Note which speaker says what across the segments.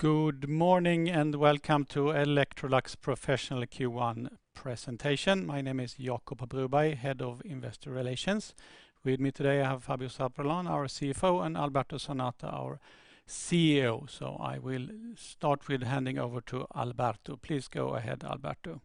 Speaker 1: Good morning. Welcome to Electrolux Professional Q1 presentation. My name is Jacob Broberg, Head of Investor Relations. With me today, I have Fabio Zarpellon, our CFO, and Alberto Zanata, our CEO. I will start with handing over to Alberto. Please go ahead, Alberto.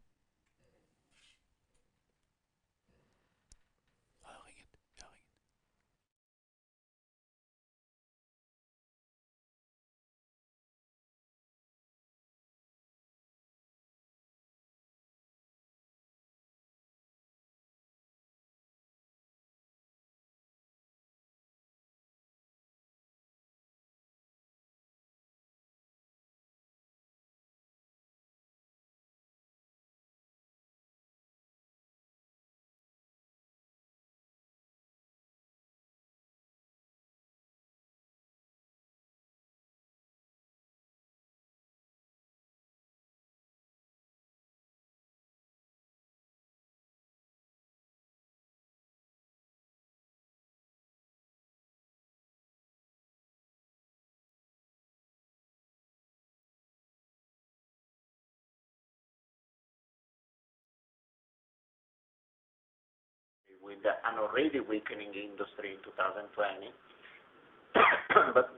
Speaker 2: With an already weakening industry in 2020.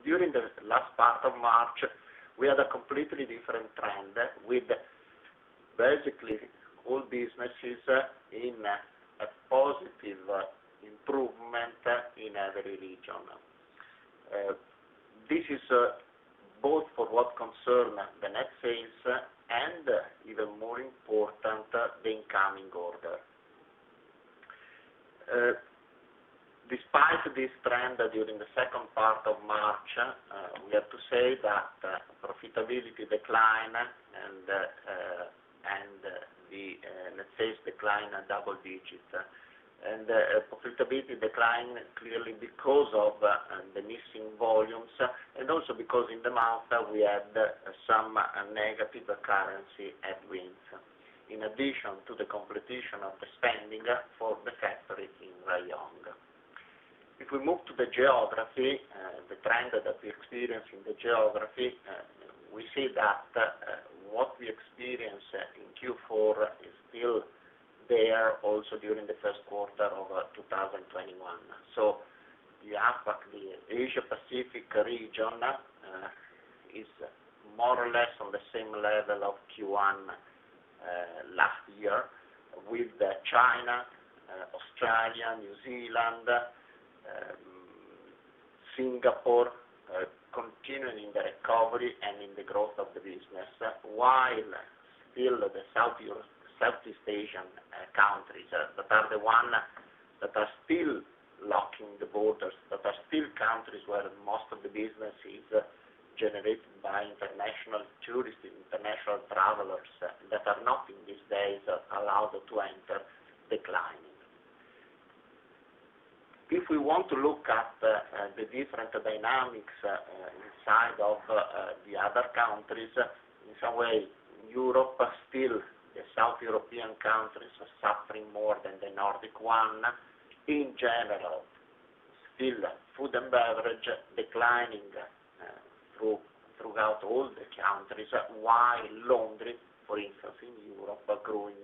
Speaker 2: During the last part of March, we had a completely different trend with basically all businesses in a positive improvement in every region. This is both for what concern the net sales and, even more important, the incoming order. Despite this trend, during the second part of March, we have to say that profitability decline and the net sales decline are double digits. Profitability decline clearly because of the missing volumes and also because in the month, we had some negative currency headwinds, in addition to the completion of the spending for the factory in Rayong. If we move to the geography, the trend that we experience in the geography, we see that what we experience in Q4 is still there also during the first quarter of 2021. The APAC, the Asia-Pacific region, is more or less on the same level of Q1 last year with China, Australia, New Zealand, Singapore continuing the recovery and in the growth of the business. While still the Southeast Asian countries that are the one that are still locking the borders, that are still countries where most of the business is generated by international tourism, international travelers that are not in these days allowed to enter, declining. If we want to look at the different dynamics inside of the other countries, in some way, Europe, still the South European countries are suffering more than the Nordic one. In general, still Food & Beverage declining throughout all the countries, while Laundry, for instance, in Europe, are growing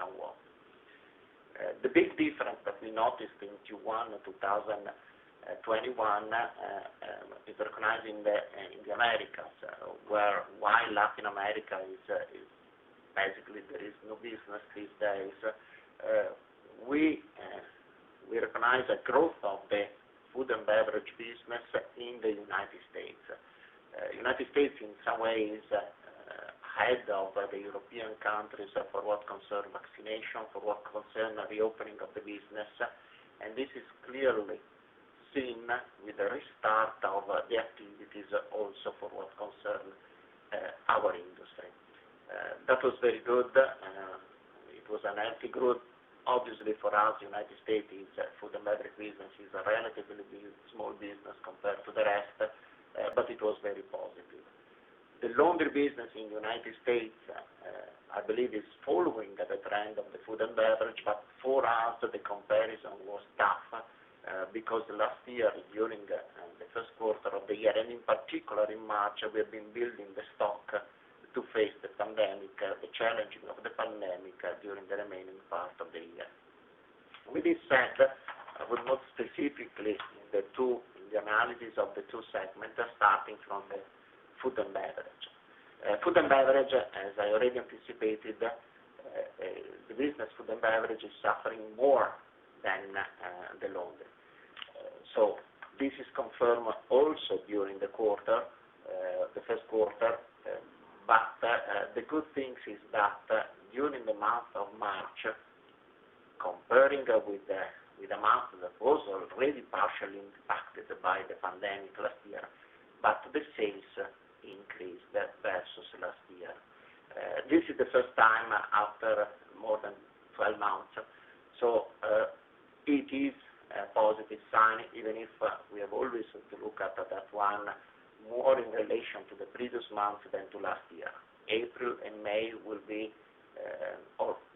Speaker 2: somewhat. The big difference that we noticed in Q1 2021 is recognized in the Americas, where while Latin America is basically there is no business these days. We recognize a growth of the Food & Beverage business in the U.S. The U.S., in some way, is ahead of the European countries for what concern vaccination, for what concern the opening of the business. This is clearly seen with the restart of the activities also for what concern our industry. That was very good. It was a healthy growth. Obviously, for us, United States Food & Beverage business is a relatively small business compared to the rest, but it was very positive. The Laundry business in United States, I believe is following the trend of the Food & Beverage, but for us, the comparison was tough, because last year, during the first quarter of the year, and in particular in March, we have been building the stock to face the pandemic, the challenge of the pandemic during the remaining part of the year. With this said, I would note specifically in the two, in the analysis of the two segments, starting from the Food & Beverage. Food & Beverage, as I already anticipated, the business Food & Beverage is suffering more than the Laundry. This is confirmed also during the quarter, the first quarter, but the good things is that during the month of March, comparing with the month that was already partially impacted by the pandemic last year, but the sales increased versus last year. This is the first time after more than 12 months. It is a positive sign, even if we have all reason to look at that one more in relation to the previous month than to last year. April and May will be.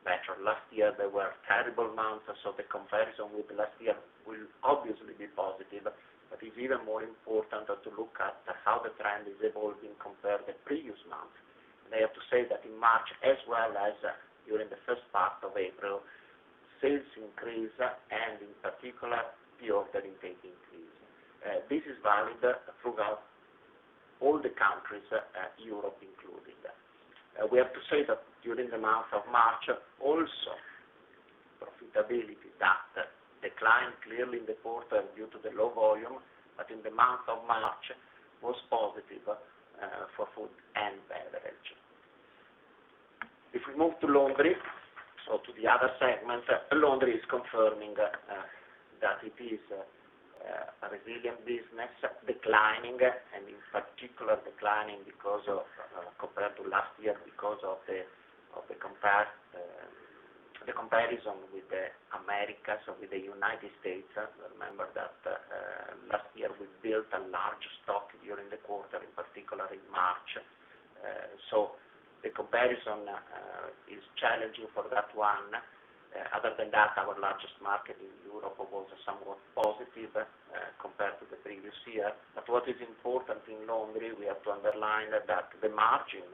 Speaker 2: Last year, there were terrible months, so the comparison with last year will obviously be positive. It's even more important to look at how the trend is evolving compared to the previous month. I have to say that in March, as well as during the first part of April, sales increased, and in particular, the order intake increased. This is valid throughout all the countries, Europe included. We have to say that during the month of March, also profitability that declined clearly in the quarter due to the low volume, but in the month of March, was positive for Food & Beverage. We move to Laundry, to the other segment, Laundry is confirming that it is a resilient business, declining, and in particular, declining compared to last year because of the comparison with the Americas or with the United States. Remember that last year, we built a large stock during the quarter, in particular in March. The comparison is challenging for that one. Other than that, our largest market in Europe was somewhat positive compared to the previous year. What is important in Laundry, we have to underline that the margin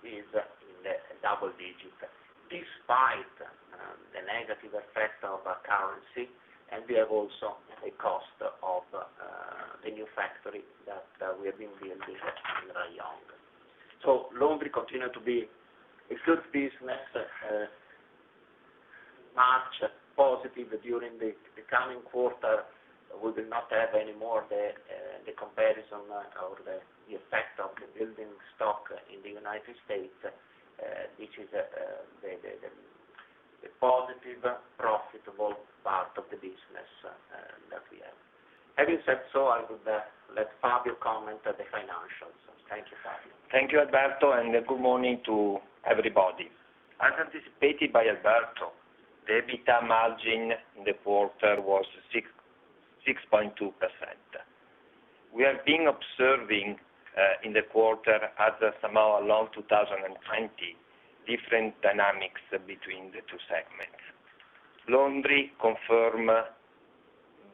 Speaker 2: is in double-digit, despite the negative effect of currency, and we have also a cost of a new factory that we have been building in Rayong. Laundry continue to be a good business. March positive. During the coming quarter, we will not have any more of the comparison or the effect of the building stock in the U.S., which is the positive, profitable part of the business that we have. Having said so, I will let Fabio comment on the financials. Thank you, Fabio.
Speaker 3: Thank you, Alberto, and good morning to everybody. As anticipated by Alberto, the EBITDA margin in the quarter was 6.2%. We have been observing in the quarter, as somehow along 2020, different dynamics between the two segments. Laundry confirm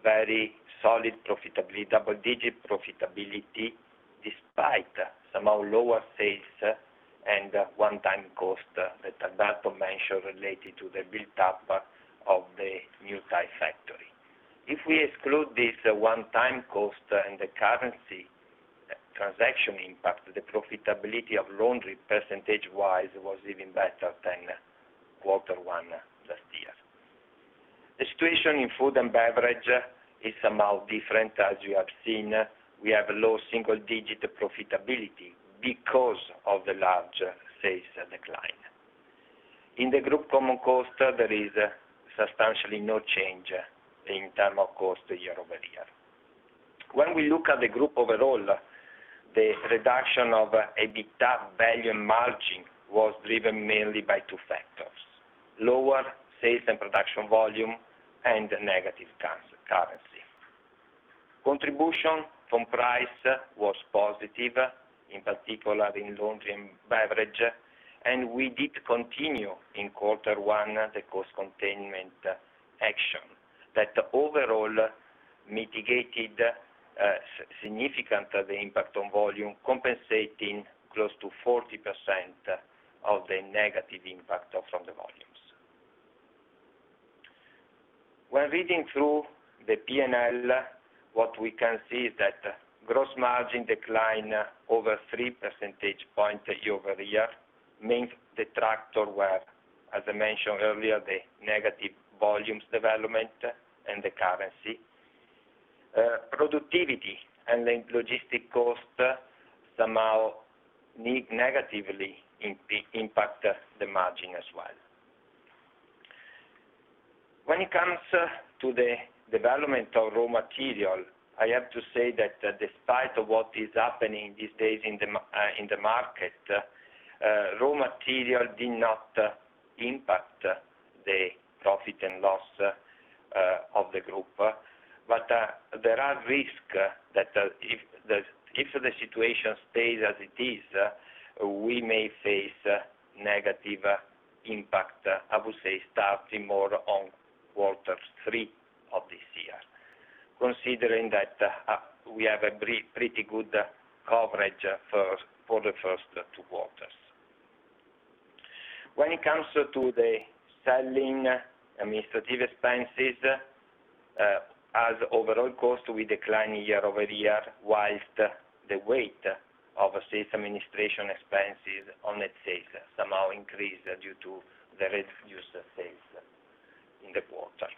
Speaker 3: very solid profitability, double-digit profitability, despite somehow lower sales and one-time cost that Alberto mentioned related to the build-up of the new Thai factory. If we exclude this one-time cost and the currency transaction impact, the profitability of Laundry percentage-wise was even better than quarter one last year. The situation in Food & Beverage is somehow different. As you have seen, we have low single-digit profitability because of the large sales decline. In the group common cost, there is substantially no change in term of cost year-over-year. When we look at the group overall, the reduction of EBITDA margin was driven mainly by two factors: lower sales and production volume, and negative currency. Contribution from price was positive, in particular in Laundry and Beverage, we did continue in quarter one, the cost containment action that overall mitigated significantly the impact on volume, compensating close to 40% of the negative impact from the volumes. When reading through the P&L, what we can see is that gross margin decline over 3 percentage points year-over-year. Main detractors were, as I mentioned earlier, the negative volumes development and the currency. Productivity and the logistic cost somehow negatively impact the margin as well. When it comes to the development of raw material, I have to say that despite of what is happening these days in the market, raw material did not impact the profit and loss of the group. There are risks that if the situation stays as it is, we may face negative impact, I would say, starting more on quarter three of this year, considering that we have a pretty good coverage for the first two quarters. When it comes to the selling, administrative expenses, as overall cost, we decline year-over-year, while the weight of sales administration expenses on net sales somehow increased due to the reduced sales in the quarter.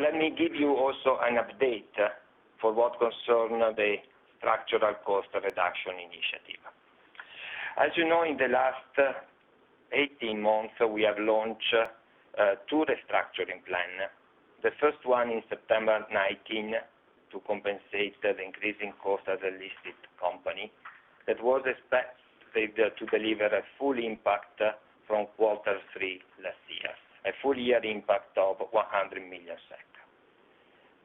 Speaker 3: Let me give you also an update for what concern the structural cost reduction initiative. As you know, in the last 18 months, we have launched two restructuring plan. The first one in September 2019 to compensate the increasing cost of the listed company, that was expected to deliver a full impact from quarter three last year, a full year impact of 100 million SEK.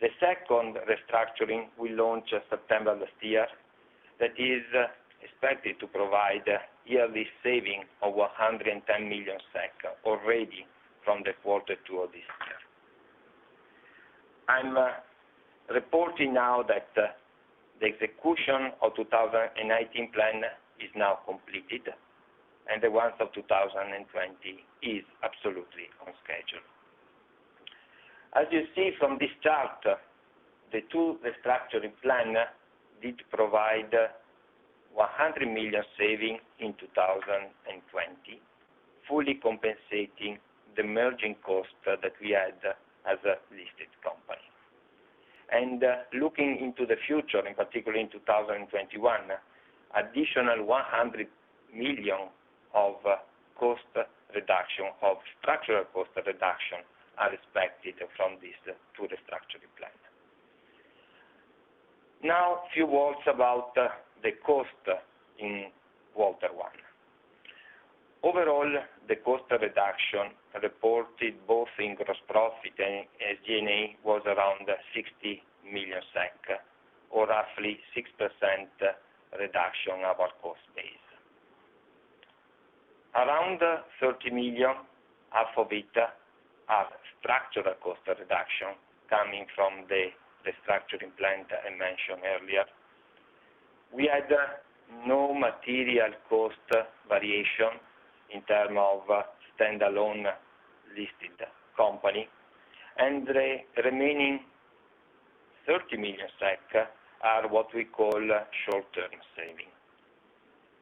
Speaker 3: The second restructuring we launched September last year, that is expected to provide yearly saving of 110 million SEK already from the quarter two of this year. I'm reporting now that the execution of 2019 plan is now completed, and the ones of 2020 is absolutely on schedule. As you see from this chart, the two restructuring plan did provide 100 million saving in 2020, fully compensating the merging cost that we had as a listed company. Looking into the future, in particular in 2021, additional 100 million of structural cost reduction are expected from these two restructuring plan. Now, a few words about the cost in quarter one. Overall, the cost reduction reported both in gross profit and as G&A was around 60 million SEK, or roughly 6% reduction of our cost base. Around SEK 30 million of EBITDA are structural cost reduction coming from the restructuring plan that I mentioned earlier. We had no material cost variation in term of standalone listed company, and the remaining 30 million SEK are what we call short-term saving.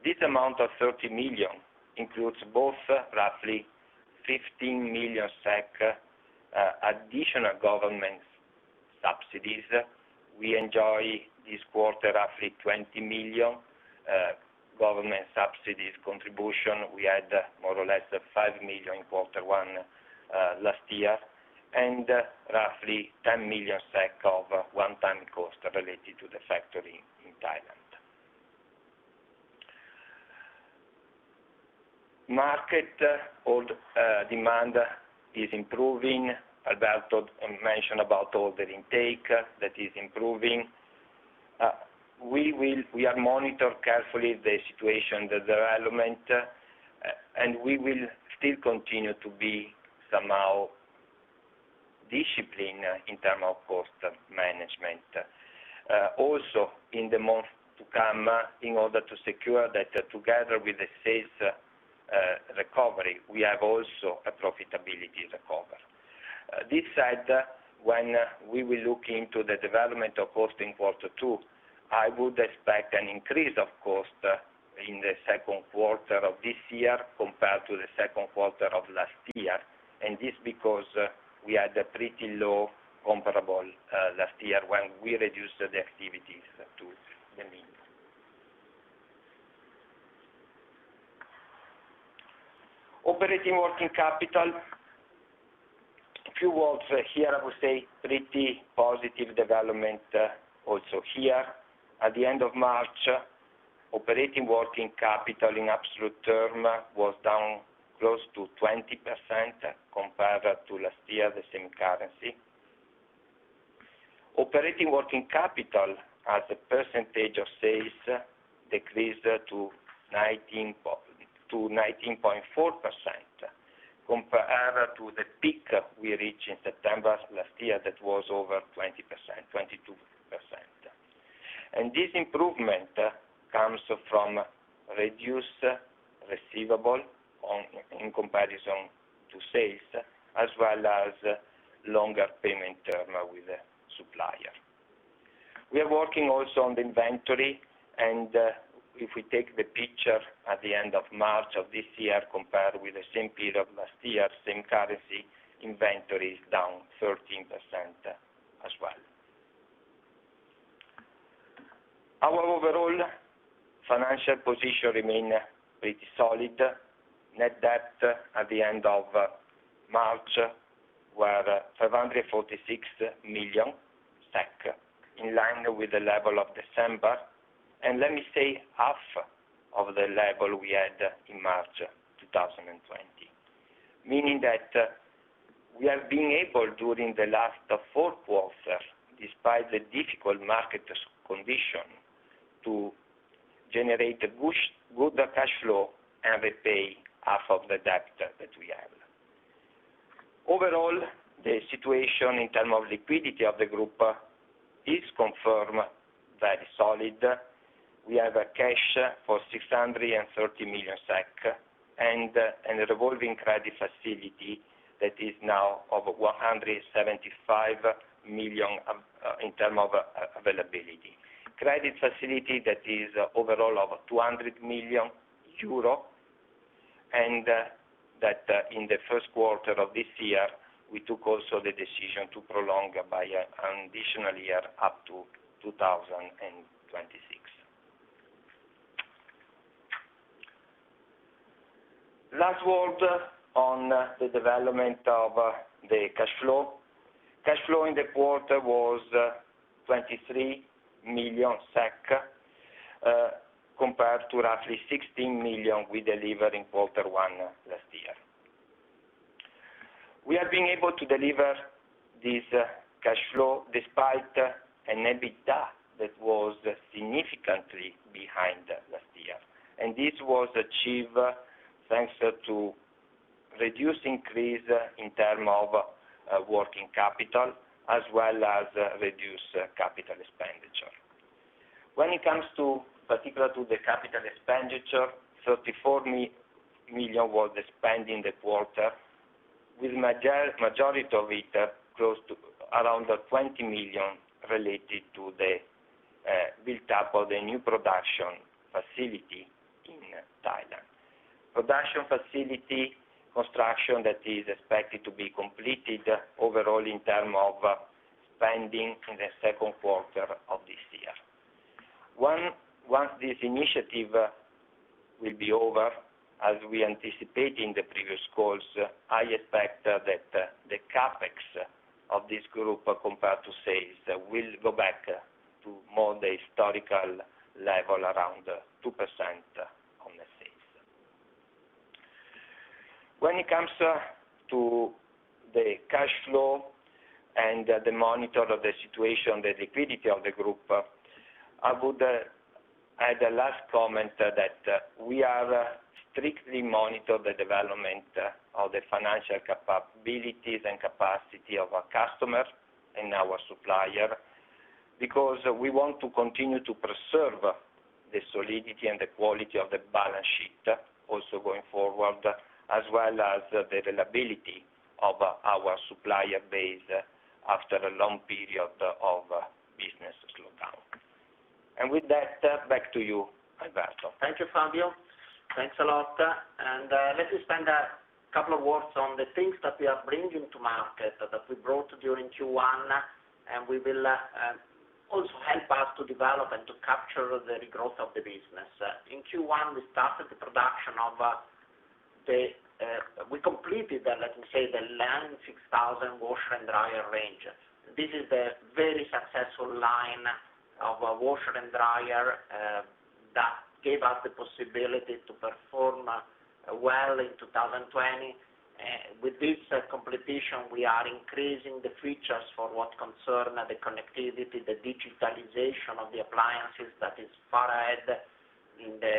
Speaker 3: This amount of 30 million includes both roughly 15 million SEK additional government subsidies. We enjoy this quarter roughly 20 million government subsidies contribution. We had more or less 5 million, quarter one last year. Roughly 10 million SEK of one-time cost related to the factory in Thailand. Market demand is improving. Alberto mentioned about order intake, that is improving. We are monitor carefully the situation, the development, and we will still continue to be somehow discipline in term of cost management. Also, in the month to come, in order to secure that together with the sales recovery, we have also a profitability recovery. This said, when we will look into the development of cost in quarter two, I would expect an increase of cost in the second quarter of this year compared to the second quarter of last year. This because we had a pretty low comparable last year when we reduced the activities to the mean. Operating working capital. A few words here, I would say pretty positive development also here. At the end of March, operating working capital in absolute term was down close to 20% compared to last year, the same currency. Operating working capital as a percentage of sales decreased to 19.4% compared to the peak we reached in September last year. That was over 20%, 22%. This improvement comes from reduced receivable in comparison to sales, as well as longer payment term with supplier. We are working also on the inventory, and if we take the picture at the end of March of this year compared with the same period of last year, same currency, inventory is down 13% as well. Our overall financial position remain pretty solid. Net debt at the end of March were 546 million SEK, in line with the level of December, and let me say, half of the level we had in March 2020, meaning that we have been able, during the last fourth quarter, despite the difficult market condition, to generate a good cash flow and repay half of the debt that we have. Overall, the situation in term of liquidity of the group is confirmed very solid. We have a cash for 630 million SEK and a revolving credit facility that is now of 175 million in term of availability. Credit facility that is overall of 200 million euro, and that in the first quarter of this year, we took also the decision to prolong by an additional year up to 2026. Last word on the development of the cash flow. Cash flow in the quarter was 23 million SEK, compared to roughly 16 million we delivered in quarter one last year. We have been able to deliver this cash flow despite an EBITDA that was significantly behind last year. This was achieved thanks to reduced increase in term of working capital as well as reduced capital expenditure. When it comes particular to the capital expenditure, 34 million was spent in the quarter, with majority of it, close to around 20 million, related to the build-up of the new production facility in Thailand. Production facility construction that is expected to be completed overall in terms of spending in the second quarter of this year. Once this initiative will be over, as we anticipate in the previous calls, I expect that the CapEx of this group compared to sales will go back to more the historical level, around 2% on the sales. When it comes to the cash flow and the monitor of the situation, the liquidity of the group, I would add a last comment that we are strictly monitor the development of the financial capabilities and capacity of our customer and our supplier, because we want to continue to preserve the solidity and the quality of the balance sheet also going forward, as well as the availability of our supplier base after a long period of business slowdown. With that, back to you, Alberto.
Speaker 2: Thank you, Fabio. Thanks a lot. Let me spend a couple of words on the things that we are bringing to market, that we brought during Q1, and will also help us to develop and to capture the regrowth of the business. In Q1, we completed, let me say, the Line 6000 washer and dryer range. This is a very successful line of washer and dryer that gave us the possibility to perform well in 2020. With this completion, we are increasing the features for what concern the connectivity, the digitalization of the appliances that is far ahead in the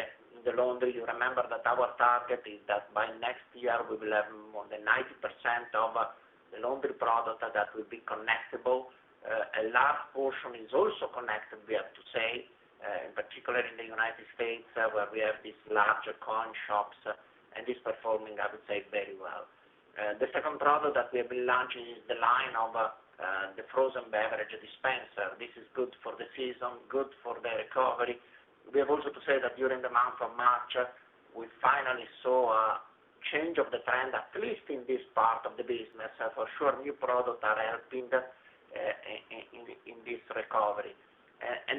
Speaker 2: Laundry. You remember that our target is that by next year, we will have more than 90% of the Laundry product that will be connectable. A large portion is also connected, we have to say, particularly in the U.S., where we have these larger coin shops, and it's performing, I would say, very well. The second product that we have been launching is the line of the frozen beverage dispenser. This is good for the season, good for the recovery. We have also to say that during the month of March, we finally saw a change of the trend, at least in this part of the business. For sure, new products are helping in this recovery.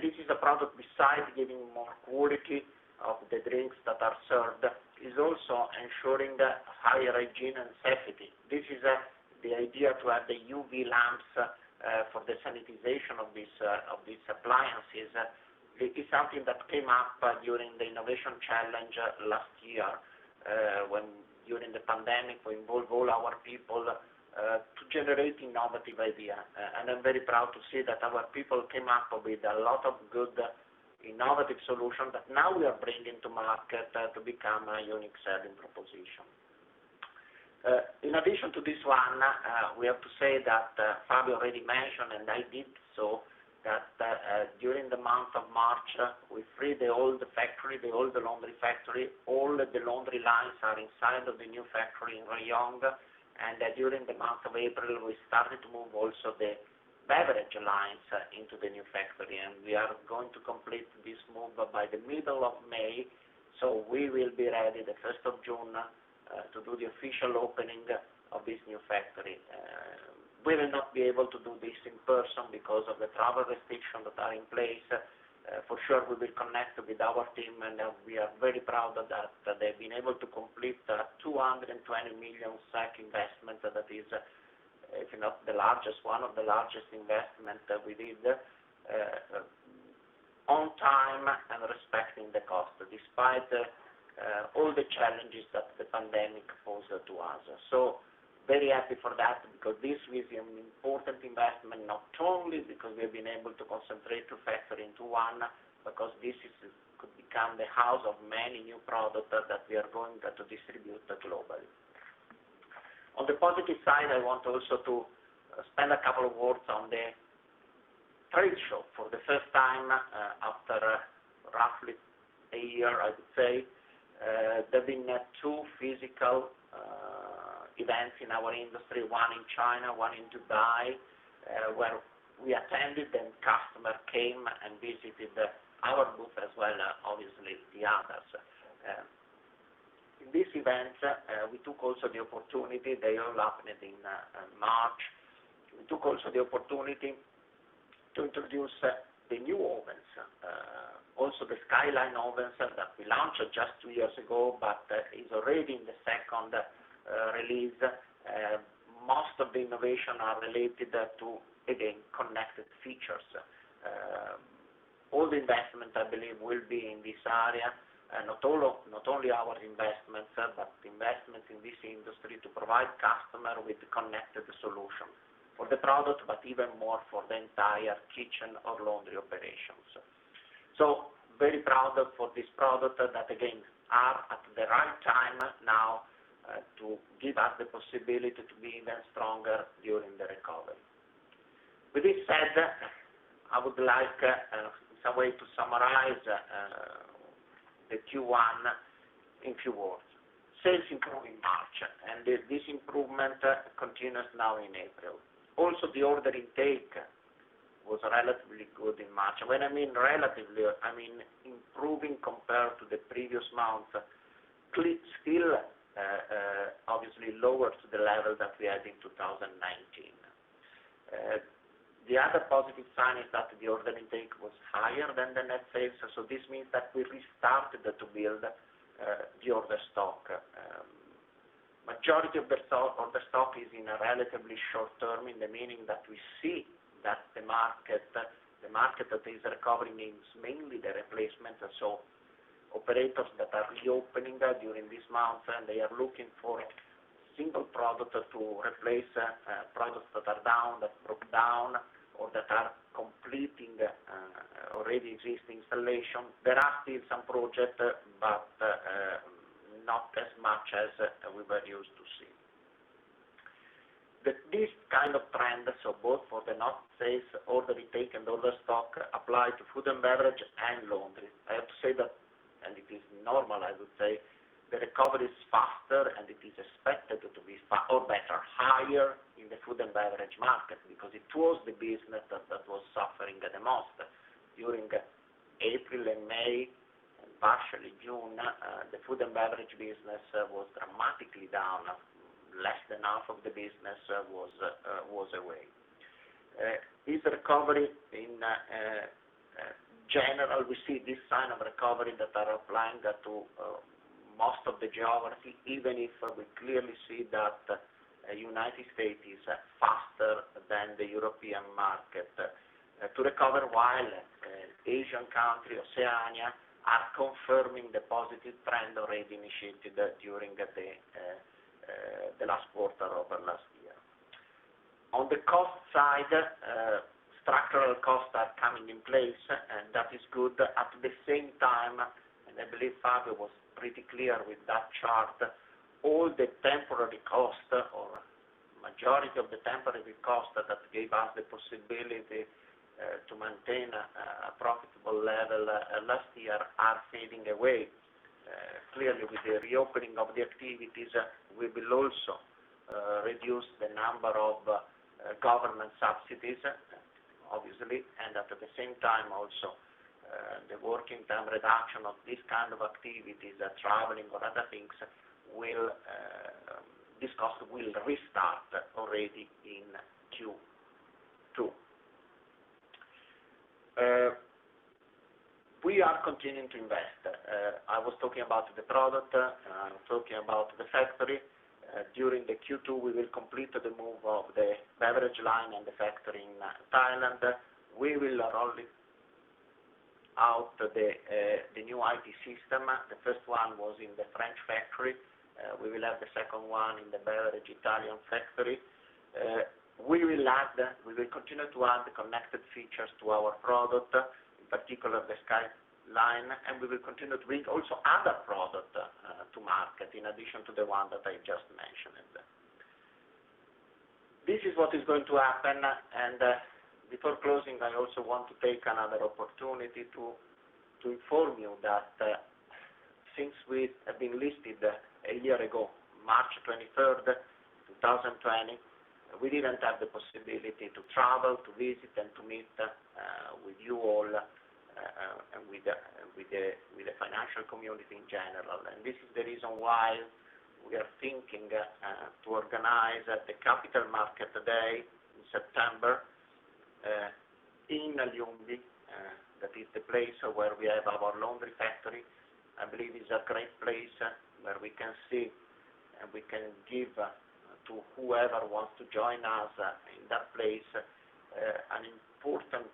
Speaker 2: This is a product, besides giving more quality of the drinks that are served, is also ensuring higher hygiene and safety. This is the idea to add the UV lamps for the sanitization of these appliances. This is something that came up during the innovation challenge last year, when during the pandemic, we involve all our people to generate innovative idea. I'm very proud to see that our people came up with a lot of good, innovative solutions that now we are bringing to market to become a unique selling proposition. In addition to this one, we have to say that Fabio already mentioned, and I did so, that during the month of March, we freed the old factory, the old laundry factory. All the laundry lines are inside of the new factory in Rayong. During the month of April, we started to move also the beverage lines into the new factory, and we are going to complete this move by the middle of May. We will be ready the 1st of June to do the official opening of this new factory. We will not be able to do this in person because of the travel restrictions that are in place. For sure, we will connect with our team, and we are very proud that they've been able to complete the 220 million investment. That is, if not the largest, one of the largest investments that we did, on time and respecting the cost, despite all the challenges that the pandemic posed to us. Very happy for that, because this is an important investment, not only because we've been able to concentrate two factory into one, because this could become the house of many new products that we are going to distribute globally. On the positive side, I want also to spend a couple of words on the trade show. For the first time after roughly a year, I would say, there's been two physical events in our industry, one in China, one in Dubai, where we attended and customer came and visited our booth as well as obviously the others. In these events, we took also the opportunity, they all happened in March. We took also the opportunity to introduce the new ovens. The SkyLine ovens that we launched just two years ago, but is already in the second release. Most of the innovation are related to, again, connected features. All the investment, I believe, will be in this area. Not only our investments, but investments in this industry to provide customer with connected solution. For the product, but even more for the entire kitchen or Laundry operations. Very proud for this product that, again, are at the right time now to give us the possibility to be even stronger during the recovery. With this said, I would like some way to summarize the Q1 in few words. Sales improve in March, this improvement continues now in April. The order intake was relatively good in March. When I mean relatively, I mean improving compared to the previous month. Obviously lower to the level that we had in 2019. The other positive sign is that the order intake was higher than the net sales, this means that we restarted to build the order stock. Majority of the order stock is in a relatively short term, in the meaning that we see that the market that is recovering means mainly the replacement. Operators that are reopening during this month, and they are looking for single product to replace products that are down, that broke down, or that are completing already existing installation. There are still some project, not as much as we were used to see. This kind of trend, so both for the net sales, order intake, and order stock apply to Food & Beverage and Laundry. I have to say that. It is normal, I would say, the recovery is faster, and it is expected to be, or better, higher in the Food & Beverage market because it was the business that was suffering the most. During April and May, and partially June, the Food & Beverage business was dramatically down. Less than half of the business was away. This recovery, in general, we see this sign of recovery that are applying to most of the geography, even if we clearly see that United States is faster than the European market to recover, while Asian country, Oceania, are confirming the positive trend already initiated during the last quarter of last year. On the cost side, structural costs are coming in place, and that is good. At the same time, and I believe Fabio was pretty clear with that chart, all the temporary cost or majority of the temporary cost that gave us the possibility to maintain a profitable level last year are fading away. Clearly, with the reopening of the activities, we will also reduce the number of government subsidies, obviously, and at the same time also, the working time reduction of this kind of activities, traveling or other things, these costs will restart already in Q2. We are continuing to invest. I was talking about the product. I'm talking about the factory. During the Q2, we will complete the move of the beverage line and the factory in Thailand. We will roll out the new IT system. The first one was in the French factory. We will have the second one in the beverage Italian factory. We will continue to add the connected features to our product, in particular the SkyLine, and we will continue to bring also other product to market in addition to the one that I just mentioned. This is what is going to happen, and before closing, I also want to take another opportunity to inform you that since we have been listed a year ago, March 23rd, 2020, we didn't have the possibility to travel, to visit, and to meet with you all, and with the financial community in general. This is the reason why we are thinking to organize the Capital Market Day in September, in Ljungby. That is the place where we have our laundry factory. I believe it's a great place where we can see and we can give to whoever wants to join us in that place, an important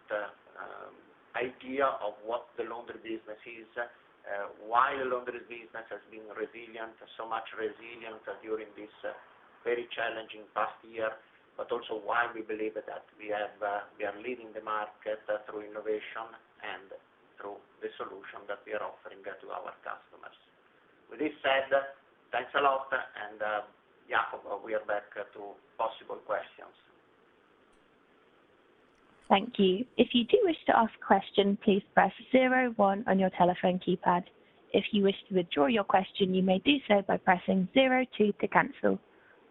Speaker 2: idea of what the laundry business is, why laundry business has been resilient, so much resilient during this very challenging past year, but also why we believe that we are leading the market through innovation and through the solution that we are offering to our customers. With this said, thanks a lot, Jacob, we are back to possible questions.
Speaker 4: Thank you. If you do wish to ask question, please press zero one on your telephone keypad. If you wish to withdraw your question, you may do so by pressing zero two to cancel.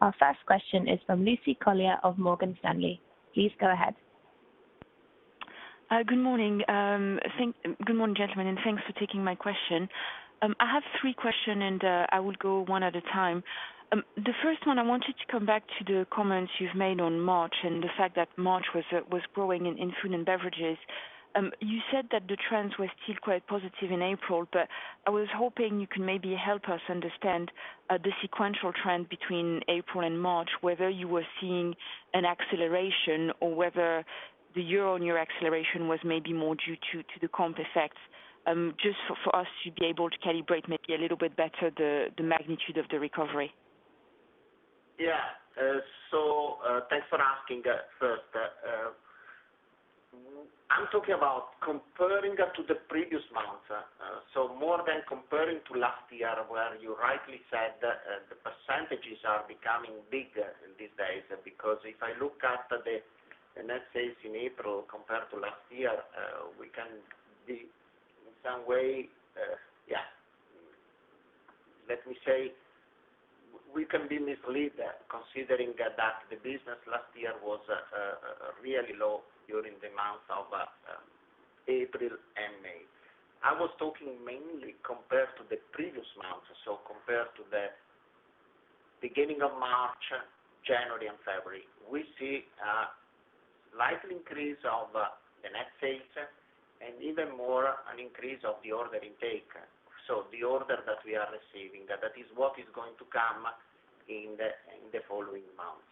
Speaker 4: Our first question is from Lucie Carrier of Morgan Stanley. Please go ahead.
Speaker 5: Good morning, gentlemen. Thanks for taking my question. I have three questions. I will go one at a time. The first one, I wanted to come back to the comments you've made on March and the fact that March was growing in Food & Beverage. You said that the trends were still quite positive in April. I was hoping you can maybe help us understand the sequential trend between April and March, whether you were seeing an acceleration or whether the year-on-year acceleration was maybe more due to the comp effects. Just for us to be able to calibrate maybe a little bit better the magnitude of the recovery.
Speaker 2: Thanks for asking first. I'm talking about comparing that to the previous month. More than comparing to last year, where you rightly said, the percentages are becoming bigger these days, because if I look at the net sales in April compared to last year, we can be, in some way. Let me say, we can be misled, considering that the business last year was really low during the months of April and May. I was talking mainly compared to the previous month. Compared to the beginning of March, January, and February. We see a slight increase of the net sales, and even more, an increase of the order intake. The order that we are receiving, that is what is going to come in the following month.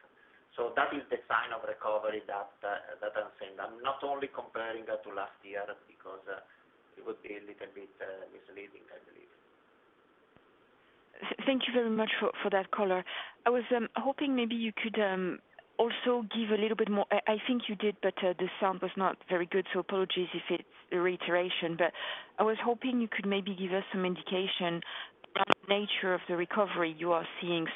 Speaker 2: That is the sign of recovery that I'm saying. I'm not only comparing that to last year because it would be a little bit misleading, I believe.
Speaker 5: Thank you very much for that color. I was hoping maybe you could, also give a little bit more I think you did, but the sound was not very good, so apologies if it's a reiteration. I was hoping you could maybe give us some indication about the nature of the recovery you are seeing.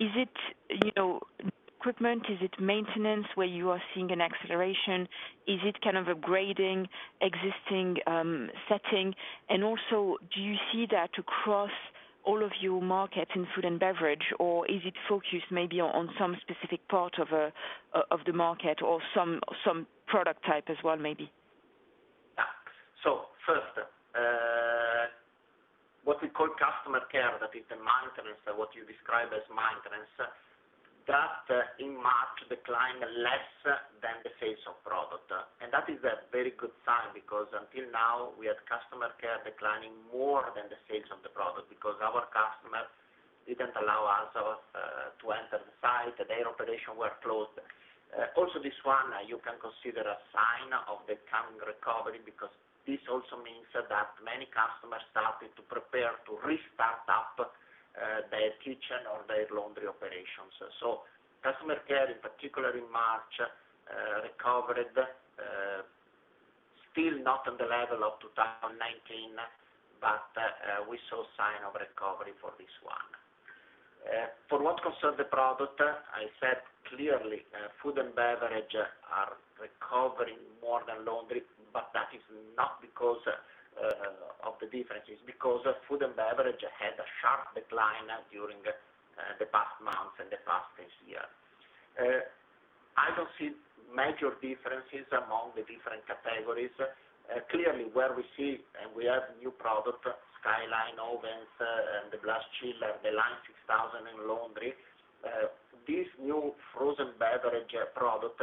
Speaker 5: Is it equipment? Is it maintenance where you are seeing an acceleration? Is it kind of upgrading existing setting? Also, do you see that across all of your markets in Food & Beverage, or is it focused maybe on some specific part of the market or some product type as well, maybe?
Speaker 2: First, what we call customer care, that is the maintenance, what you describe as maintenance, that in March declined less than the sales of product. That is a very good sign because until now, we had customer care declining more than the sales of the product because our customers didn't allow us to enter the site. Their operation were closed. Also, this one, you can consider a sign of the coming recovery because this also means that many customers started to prepare to restart up their kitchen or their Laundry operations. Customer care, in particular in March, recovered. Still not on the level of 2019, but we saw sign of recovery for this one. For what concern the product, I said clearly, Food & Beverage are recovering more than Laundry, but that is not because of the differences, because Food & Beverage had a sharp decline during the past month and the past year. I don't see major differences among the different categories. Clearly where we see, and we have new product, SkyLine ovens, and the blast chiller, the Line 6000 in Laundry. This new Food & Beverage product,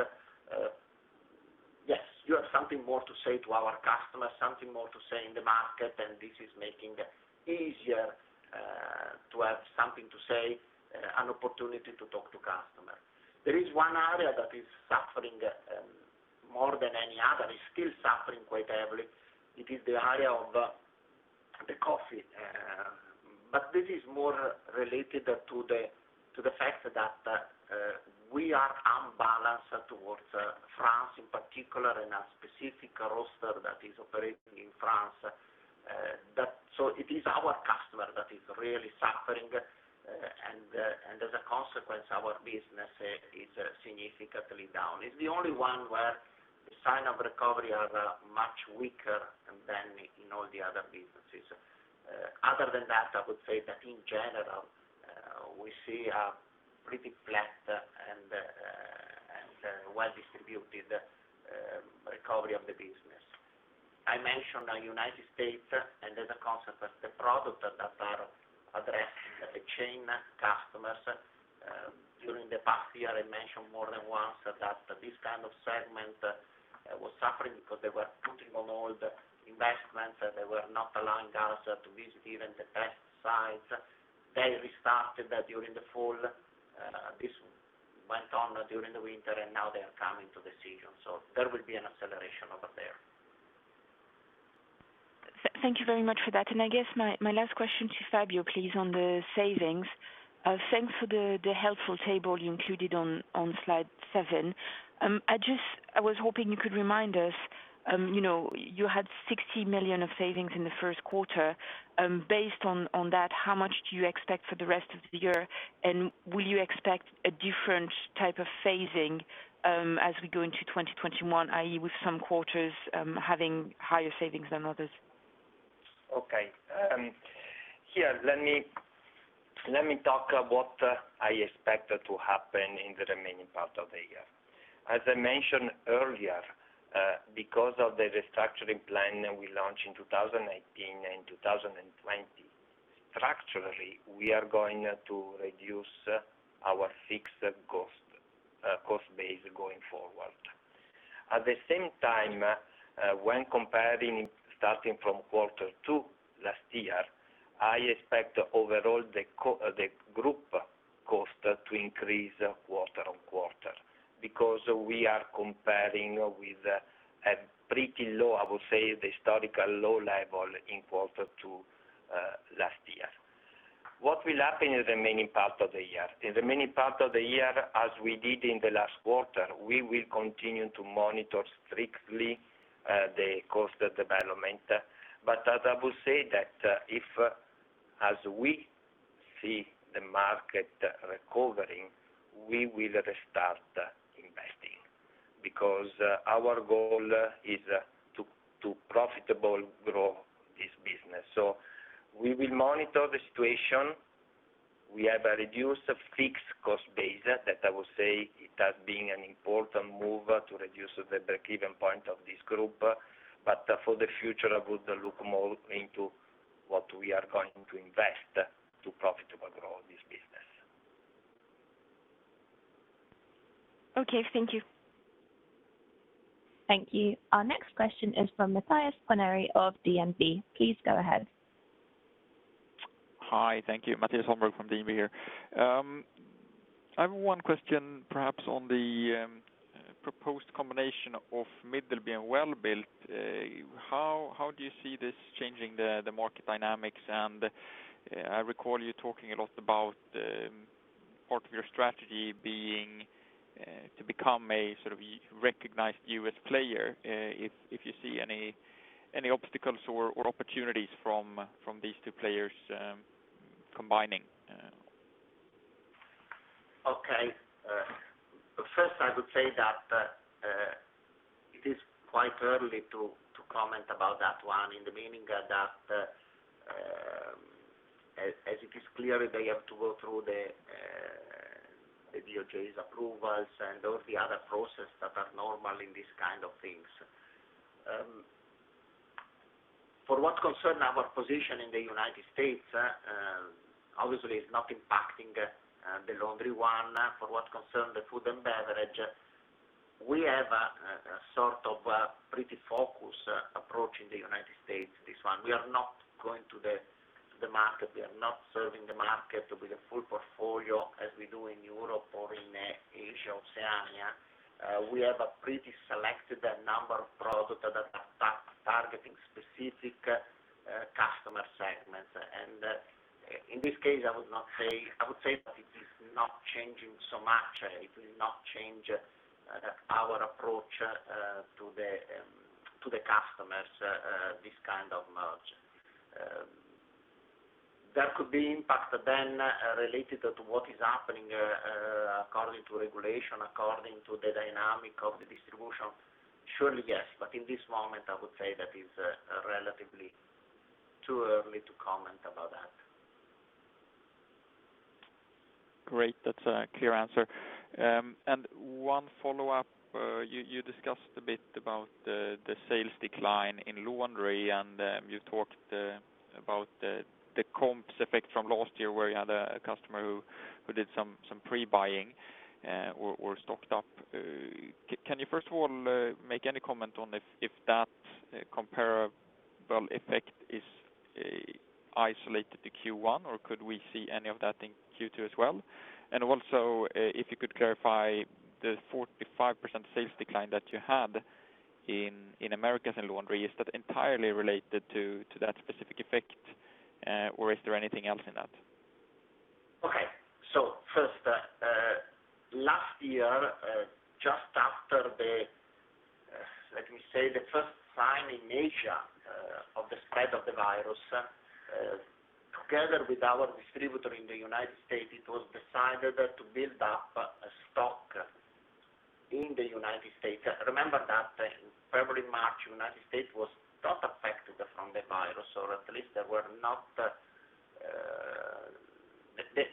Speaker 2: yes, you have something more to say to our customers, something more to say in the market, and this is making easier to have something to say, an opportunity to talk to customer. There is one area that is suffering more than any other, is still suffering quite heavily. It is the area of the coffee. This is more related to the fact that we are unbalanced towards France in particular, and a specific roaster that is operating in France. It is our customer that is really suffering, and as a consequence, our business is significantly down. It's the only one where the sign of recovery are much weaker than in all the other businesses. Other than that, I would say that in general, we see a pretty flat and well-distributed recovery of the business. I mentioned United States, and as a consequence, the product that are addressing the chain customers. During the past year, I mentioned more than once that this kind of segment was suffering because they were putting on hold investments, and they were not allowing us to visit even the test sites. They restarted during the fall. This went on during the winter, and now they are coming to decision. There will be an acceleration over there.
Speaker 5: Thank you very much for that. I guess my last question to Fabio, please, on the savings. Thanks for the helpful table you included on slide seven. I was hoping you could remind us, you had 60 million of savings in the first quarter. Based on that, how much do you expect for the rest of the year, and will you expect a different type of phasing as we go into 2021, i.e., with some quarters having higher savings than others?
Speaker 3: Okay. Here, let me talk about what I expect to happen in the remaining part of the year. As I mentioned earlier, because of the restructuring plan we launched in 2018 and 2020, structurally, we are going to reduce our fixed cost base going forward. At the same time, when comparing starting from quarter two last year, I expect overall the group cost to increase quarter-on-quarter because we are comparing with a pretty low, I would say the historical low level in quarter two last year. What will happen in the remaining part of the year? In the remaining part of the year, as we did in the last quarter, we will continue to monitor strictly the cost development. As I would say that if, as we see the market recovering, we will restart investing, because our goal is to profitable grow this business. We will monitor the situation. We have a reduced fixed cost base that I would say it has been an important move to reduce the breakeven point of this group. For the future, I would look more into what we are going to invest to profitable grow this business.
Speaker 5: Okay. Thank you.
Speaker 4: Thank you. Our next question is from Mattias Holmberg of DNB. Please go ahead.
Speaker 6: Hi. Thank you. Mattias Holmberg from DNB here. I have one question, perhaps on the proposed combination of Middleby Corporation and Welbilt, Inc. How do you see this changing the market dynamics? I recall you talking a lot about part of your strategy being to become a sort of recognized U.S. player, if you see any obstacles or opportunities from these two players combining.
Speaker 2: Okay. First, I would say that it is quite early to comment about that one in the meaning that, as it is clear, they have to go through the DOJ approvals and all the other processes that are normal in these kind of things. For what concern our position in the United States, obviously it's not impacting the Laundry one. For what concern the Food & Beverage, we have a sort of a pretty focused approach in the United States, this one. We are not going to the market. We are not serving the market with a full portfolio as we do in Europe or in Asia or Oceania. We have a pretty selected number of products that are targeting specific customer segments. In this case, I would say that it is not changing so much. It will not change our approach to the customers, this kind of merge. There could be impact then related to what is happening, according to regulation, according to the dynamic of the distribution. Surely, yes. In this moment, I would say that it's relatively too early to comment about that.
Speaker 6: Great. That's a clear answer. One follow-up. You discussed a bit about the sales decline in laundry, and you talked about the comparables effect from last year where you had a customer who did some pre-buying or stocked up. Can you first of all make any comment on if that comparable effect is isolated to Q1, or could we see any of that in Q2 as well? Also, if you could clarify the 45% sales decline that you had in Americas in laundry, is that entirely related to that specific effect, or is there anything else in that?
Speaker 2: First, last year, just after the, let me say, the first sign in Asia of the spread of the virus, together with our distributor in the United States, it was decided to build up a stock in the United States. Remember that in February, March, United States was not affected from the virus, or at least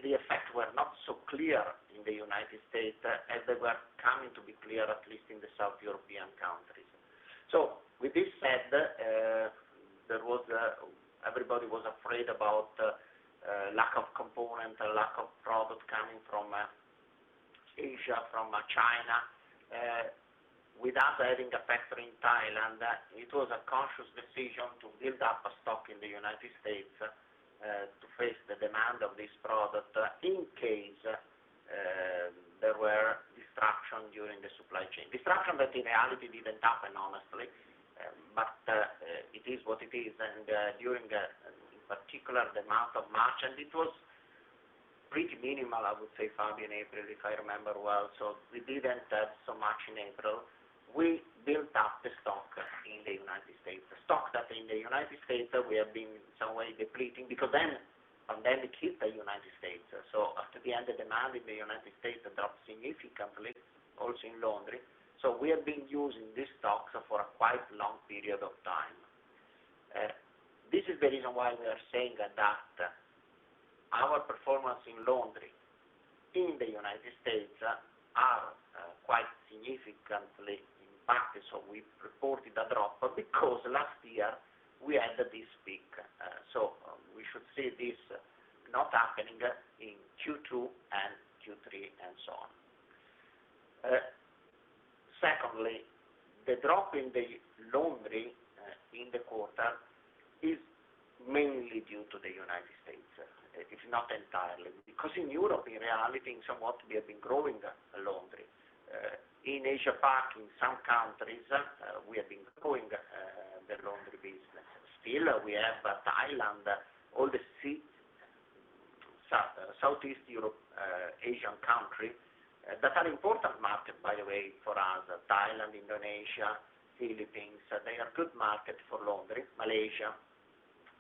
Speaker 2: the effects were not so clear in the United States as they were coming to be clear, at least in the South European countries. With this said, everybody was afraid about lack of component, lack of product coming from Asia, from China. With us having a factory in Thailand, it was a conscious decision to build up a stock in the United States to face the demand of this product in case there were disruption during the supply chain. Disruption that in reality didn't happen, honestly. It is what it is. During, in particular, the month of March, it was pretty minimal, I would say, far in April, if I remember well. We didn't have so much in April. We built up the stock in the U.S. The stock that in the U.S., we have been some way depleting. It hit the U.S. After the end, the demand in the U.S. dropped significantly, also in Laundry. We have been using these stocks for a quite long period of time. This is the reason why we are saying that our performance in Laundry in the U.S. are quite significantly impacted. We reported a drop because last year we had this peak. We should see this not happening in Q2 and Q3 and so on. Secondly, the drop in the Laundry in the quarter is mainly due to the U.S. It is not entirely. In Europe, in reality, somewhat, we have been growing Laundry. In Asia-Pacific, in some countries, we have been growing the Laundry business. Still, we have Thailand, all the Southeast Asian country, that are important market, by the way, for us. Thailand, Indonesia, Philippines, they are good market for Laundry. Malaysia.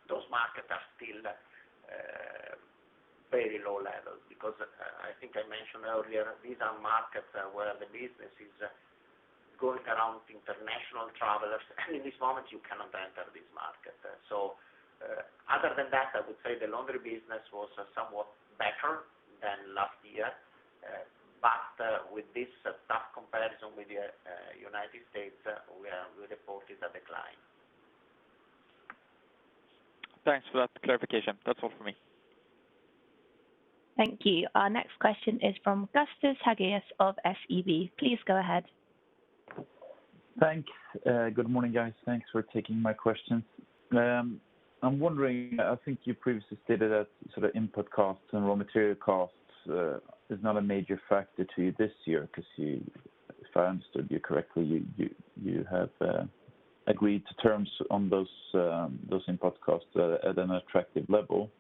Speaker 2: Those markets are still very low levels because I think I mentioned earlier, these are markets where the business is going around international travelers. In this moment, you cannot enter this market. Other than that, I would say the Laundry business was somewhat better than last year. With this tough comparison with the U.S., we reported a decline.
Speaker 6: Thanks for that clarification. That's all for me.
Speaker 4: Thank you. Our next question is from Gustav Hagéus of SEB. Please go ahead.
Speaker 7: Thanks. Good morning, guys. Thanks for taking my questions. I'm wondering, I think you previously stated that sort of input costs and raw material costs is not a major factor to you this year because you, if I understood you correctly, you have agreed to terms on those input costs at an attractive level.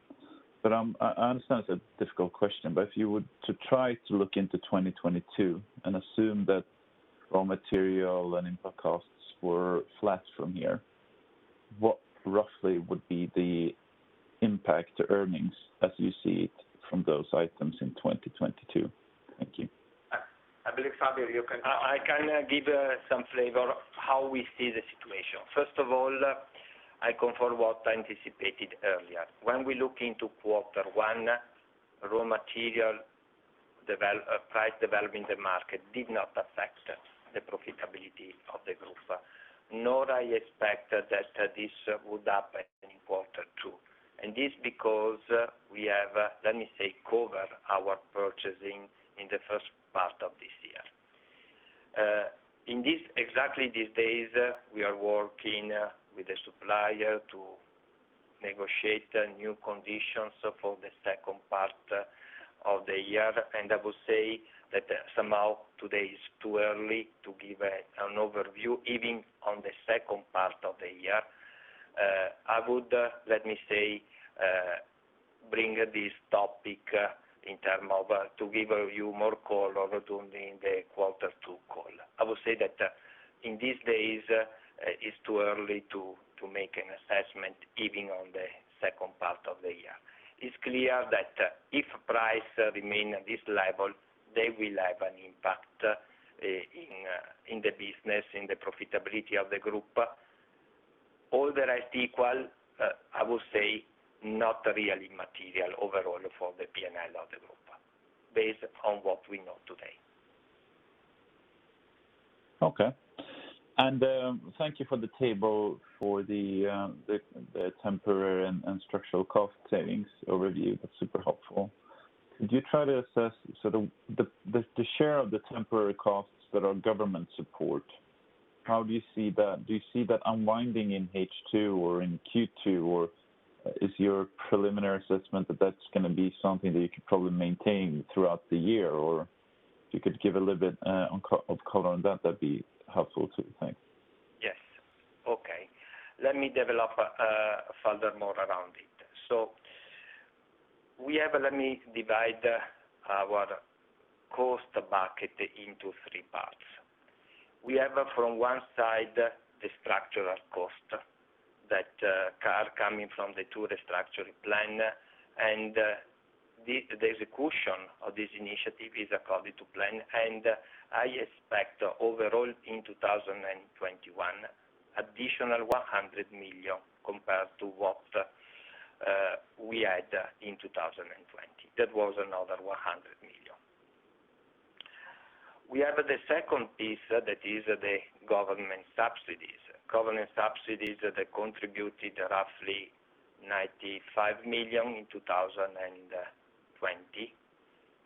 Speaker 7: I understand it's a difficult question, but if you were to try to look into 2022 and assume that raw material and input costs were flat from here, what roughly would be the impact to earnings as you see it from those items in 2022? Thank you.
Speaker 2: I believe, Fabio, you can.
Speaker 3: I can give some flavor how we see the situation. I confirm what I anticipated earlier. When we look into quarter one, raw material price development in the market did not affect the profitability of the group, nor I expect that this would happen in quarter two. This because we have, let me say, covered our purchasing in the first part of this year. In exactly these days, we are working with the supplier to negotiate new conditions for the second part of the year. I would say that somehow today is too early to give an overview, even on the second part of the year. I would, let me say, bring this topic in term of, to give a view more color during the quarter two call. I would say that in these days, it is too early to make an assessment, even on the second part of the year. It is clear that if price remain at this level, they will have an impact in the business, in the profitability of the group. All the rest equal, I would say not really material overall for the P&L of the group based on what we know today.
Speaker 7: Okay. Thank you for the table for the temporary and structural cost savings overview. That's super helpful. Did you try to assess the share of the temporary costs that are government support, how do you see that? Do you see that unwinding in H2 or in Q2, or is your preliminary assessment that that's going to be something that you could probably maintain throughout the year? If you could give a little bit of color on that'd be helpful too. Thanks.
Speaker 3: Yes. Okay. Let me develop further more around it. We have, let me divide our cost bucket into three parts. We have from one side, the structural cost that are coming from the two restructuring plan, and the execution of this initiative is according to plan, and I expect overall in 2021, additional 100 million compared to what we had in 2020. That was another 100 million. We have the second piece that is the government subsidies. Government subsidies that contributed roughly 95 million in 2020.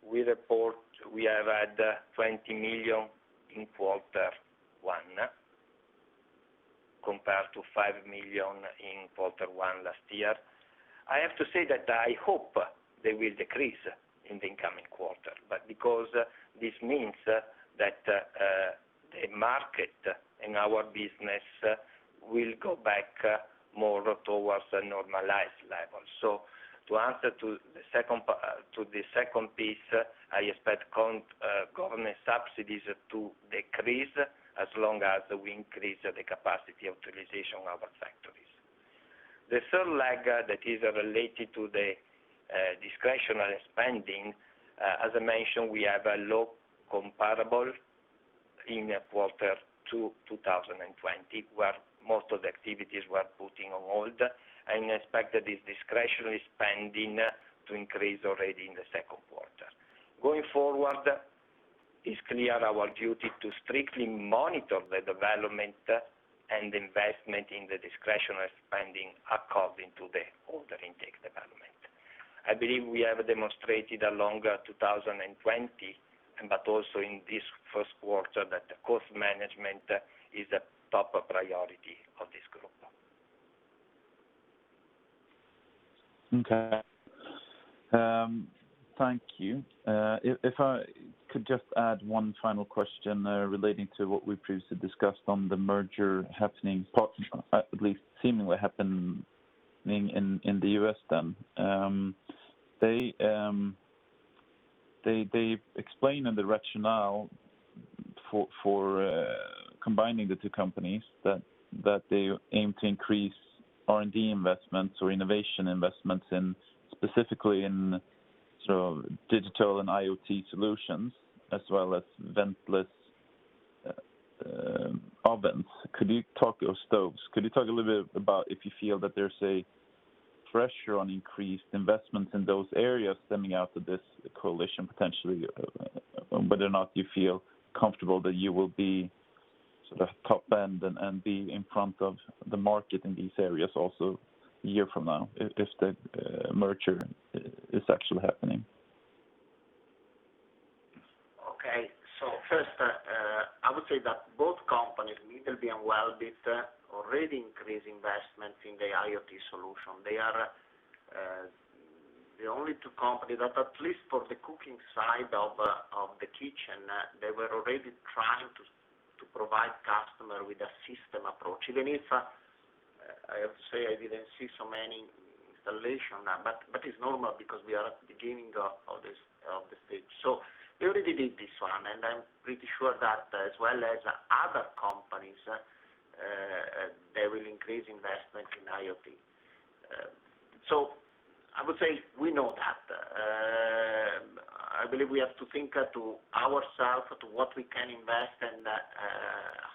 Speaker 3: We report we have had 20 million in quarter one compared to 5 million in quarter one last year. I have to say that I hope they will decrease in the incoming quarter. Because this means that the market and our business will go back more towards a normalized level. To answer to the second piece, I expect government subsidies to decrease as long as we increase the capacity utilization of our factory. The third lag that is related to the discretionary spending, as I mentioned, we have a low comparable in quarter two 2020, where most of the activities were putting on hold, and expect that this discretionary spending to increase already in the second quarter. Going forward, it's clear our duty to strictly monitor the development and investment in the discretionary spending according to the order intake development. I believe we have demonstrated along 2020, but also in this first quarter, that the cost management is a top priority of this group.
Speaker 7: Okay. Thank you. If I could just add one final question relating to what we previously discussed on the merger happening, or at least seemingly happening, in the U.S. then. They explain in the rationale for combining the two companies that they aim to increase R&D investments or innovation investments in, specifically in digital and IoT solutions as well as ventless ovens or stoves. Could you talk a little bit about if you feel that there's a pressure on increased investments in those areas stemming out of this coalition, potentially? Whether or not you feel comfortable that you will be sort of top end and be in front of the market in these areas also a year from now, if the merger is actually happening.
Speaker 2: Okay. First, I would say that both companies, Middleby and Welbilt, already increase investments in the IoT solution. They are the only two companies that, at least for the cooking side of the kitchen, they were already trying to provide customer with a system approach. Even if, I have to say, I didn't see so many installation. It's normal because we are at the beginning of the stage. They already did this one, and I'm pretty sure that as well as other companies, they will increase investment in IoT. I would say we know that. I believe we have to think to ourself to what we can invest and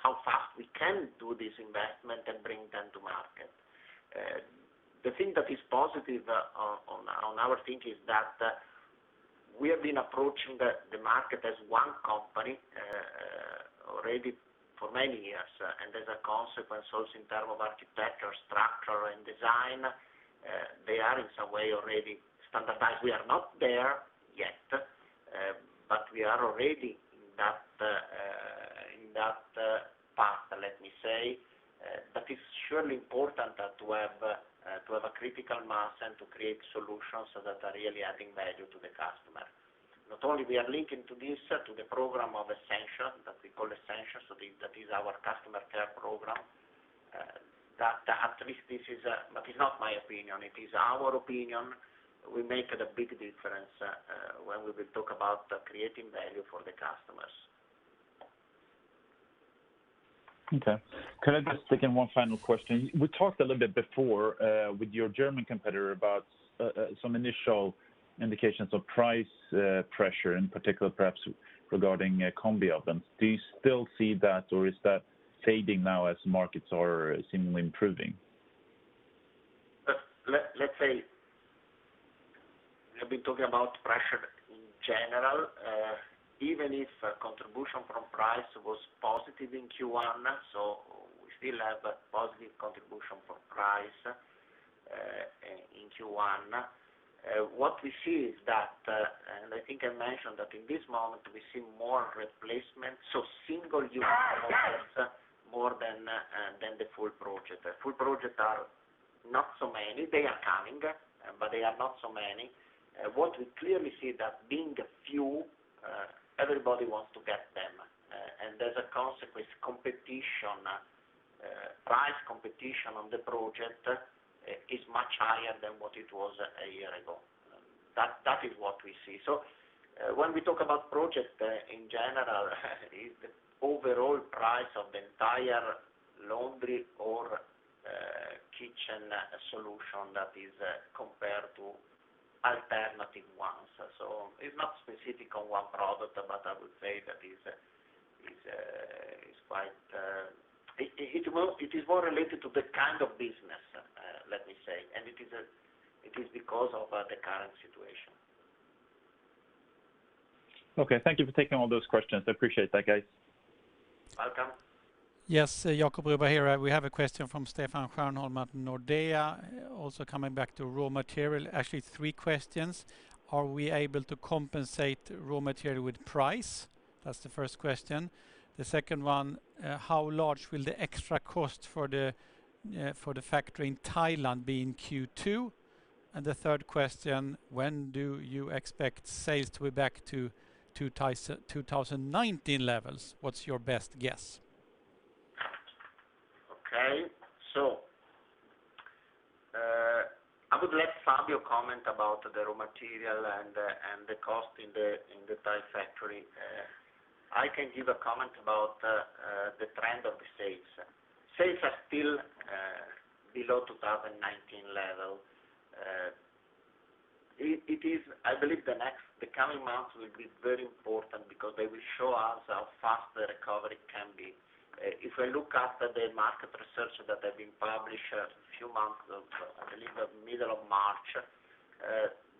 Speaker 2: how fast we can do this investment and bring them to market. The thing that is positive on our thing is that we have been approaching the market as one company already for many years. As a consequence, also in terms of architecture, structure, and design, they are in some way already standardized. We are not there yet, but we are already in that path, let me say. It's surely important that to have a critical mass and to create solutions that are really adding value to the customer. Not only we are linking to this, to the program of Essentia, that we call Essentia, so that is our customer care program. It's not my opinion, it is our opinion, will make a big difference, when we will talk about creating value for the customers.
Speaker 7: Okay. Could I just stick in one final question? We talked a little bit before, with your German competitor, about some initial indications of price pressure in particular, perhaps regarding combi ovens. Do you still see that, or is that fading now as markets are seemingly improving?
Speaker 2: Let's say we have been talking about pressure in general, even if contribution from price was positive in Q1, so we still have a positive contribution from price, in Q1. What we see is that, and I think I mentioned that in this moment, we see more replacements, so single unit projects, more than the full project. Full projects are not so many. They are coming, but they are not so many. What we clearly see that being a few, everybody wants to get them, and as a consequence, competition, price competition on the project, is much higher than what it was a year ago. That is what we see. When we talk about projects, in general, is the overall price of the entire laundry or kitchen solution that is compared to alternative ones. It's not specific on one product, but I would say that it is more related to the kind of business, let me say, and it is because of the current situation.
Speaker 7: Okay. Thank you for taking all those questions. I appreciate that, guys.
Speaker 3: Welcome.
Speaker 1: Yes, Jacob Broberg here. We have a question from Stefan Stjernholm at Nordea, also coming back to raw material. Actually, three questions. "Are we able to compensate raw material with price?" That's the first question. The second one: "How large will the extra cost for the factory in Thailand be in Q2?" The third question: "When do you expect sales to be back to 2019 levels? What's your best guess?
Speaker 2: Okay. Fabio, comment about the raw material and the cost in the Thai factory. I can give a comment about the trend of the sales. Sales are still below 2019 level. I believe the coming months will be very important because they will show us how fast the recovery can be. If I look after the market research that have been published a few months, I believe the middle of March,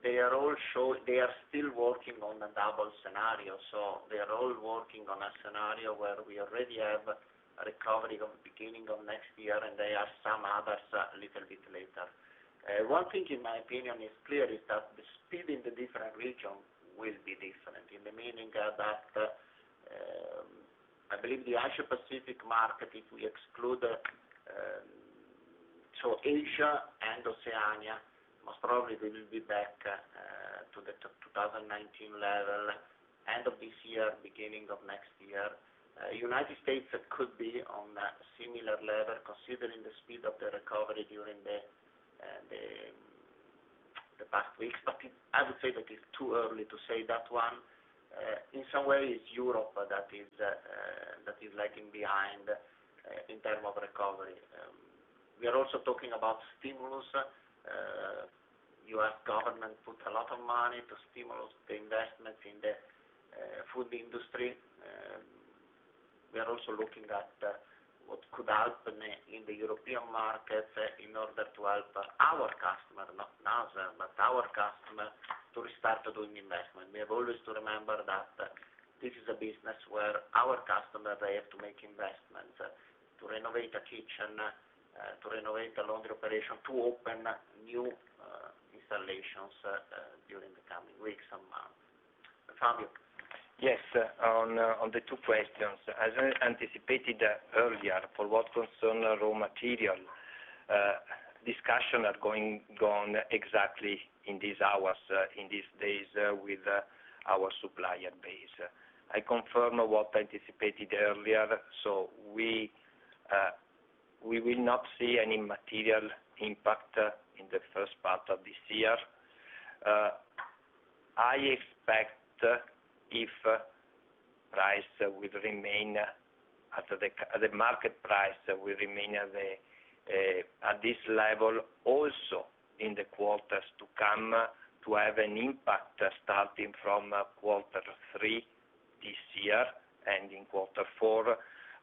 Speaker 2: they are still working on a double scenario. They are all working on a scenario where we already have a recovery of beginning of next year, and there are some others a little bit later. One thing, in my opinion, is clear, is that the speed in the different region will be different. In the meaning that, I believe the Asia Pacific market, if we exclude South Asia and Oceania, most probably they will be back to the 2019 level, end of this year, beginning of next year. U.S. could be on a similar level, considering the speed of the recovery during the past weeks. I would say that it's too early to say that one. In some way, it's Europe that is lagging behind in term of recovery. We are also talking about stimulus. U.S. government put a lot of money to stimulus the investment in the food industry. We are also looking at what could help in the European market in order to help our customer, not us, but our customer to restart doing investment. We have always to remember that this is a business where our customer, they have to make investments to renovate a kitchen, to renovate a laundry operation, to open new installations during the coming weeks and months. Fabio?
Speaker 3: Yes, on the two questions. As I anticipated earlier, for what concern raw material, discussion are gone exactly in these hours, in these days, with our supplier base. I confirm what I anticipated earlier. We will not see any material impact in the first part of this year. I expect, if the market price will remain at this level, also in the quarters to come, to have an impact starting from quarter three this year, ending quarter four.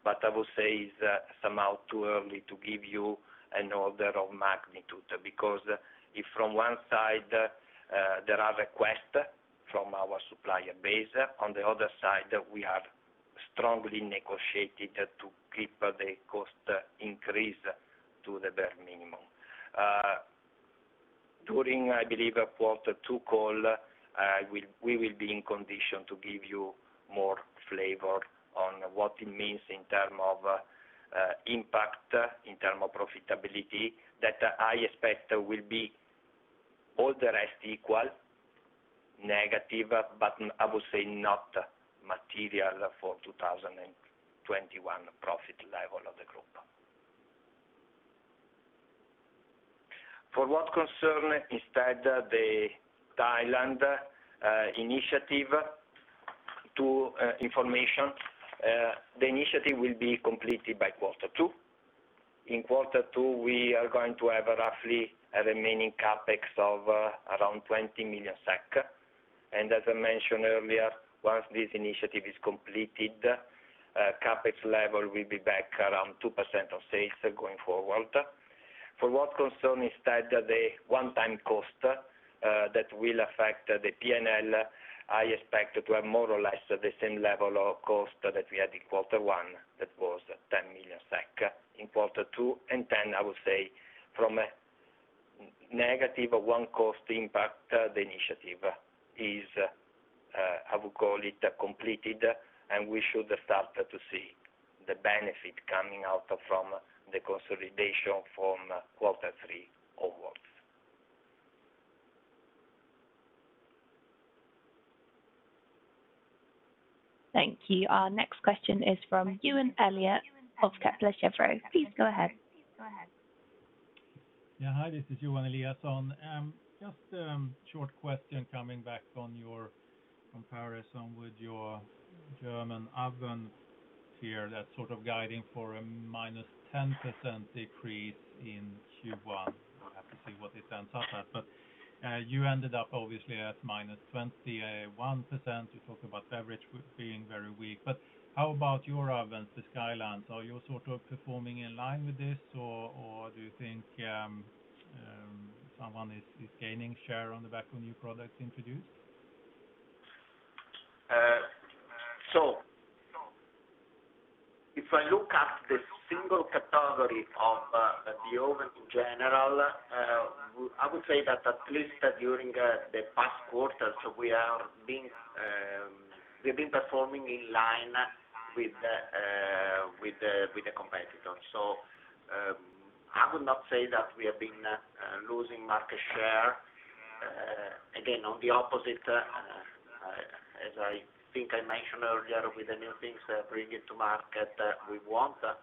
Speaker 3: I would say it's somehow too early to give you an order of magnitude. Because if from one side, there are requests from our supplier base, on the other side, we are strongly negotiating to keep the cost increase to the bare minimum. During, I believe, quarter two call, we will be in condition to give you more flavor on what it means in terms of impact, in terms of profitability, that I expect will be all the rest equal, negative, but I would say not material for 2021 profit level of the group. For what concerns, instead, the Thailand initiative. Two information. The initiative will be completed by quarter two. In quarter two, we are going to have roughly a remaining CapEx of around 20 million SEK. As I mentioned earlier, once this initiative is completed, CapEx level will be back around 2% of sales going forward. For what concerns, instead, the one-time cost that will affect the P&L, I expect to have more or less the same level of cost that we had in quarter one, that was 10 million SEK, in quarter two. I would say from a negative one-cost impact, the initiative is, I would call it, completed, and we should start to see the benefit coming out from the consolidation from quarter three onwards.
Speaker 4: Thank you. Our next question is from Johan Eliason of Kepler Cheuvreux. Please go ahead.
Speaker 8: Hi, this is Johan Eliason. Short question coming back on your comparison with your German oven here that's sort of guiding for a minus 10% decrease in Q1. We'll have to see what it ends up at. You ended up obviously at minus 21%. You talk about beverage being very weak, how about your ovens, the SkyLine? Are you sort of performing in line with this, do you think someone is gaining share on the back of new products introduced?
Speaker 2: If I look at the single category of the oven in general, I would say that at least during the past quarters, we've been performing in line with the competitors. I would not say that we have been losing market share, again, on the opposite. As I think I mentioned earlier, with the new things we are bringing to market, we want to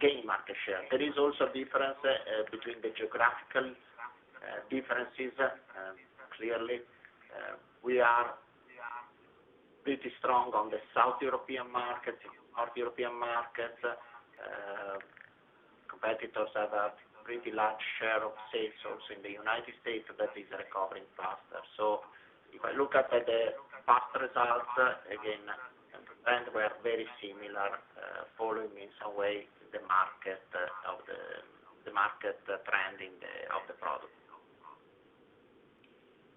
Speaker 2: gain market share. There is also a difference between the geographical differences. Clearly, we are pretty strong on the South European market, North European market. Competitors have a pretty large share of sales also in the U.S. that is recovering faster. If I look at the past results, again, trends were very similar, following in some way the market trending of the product.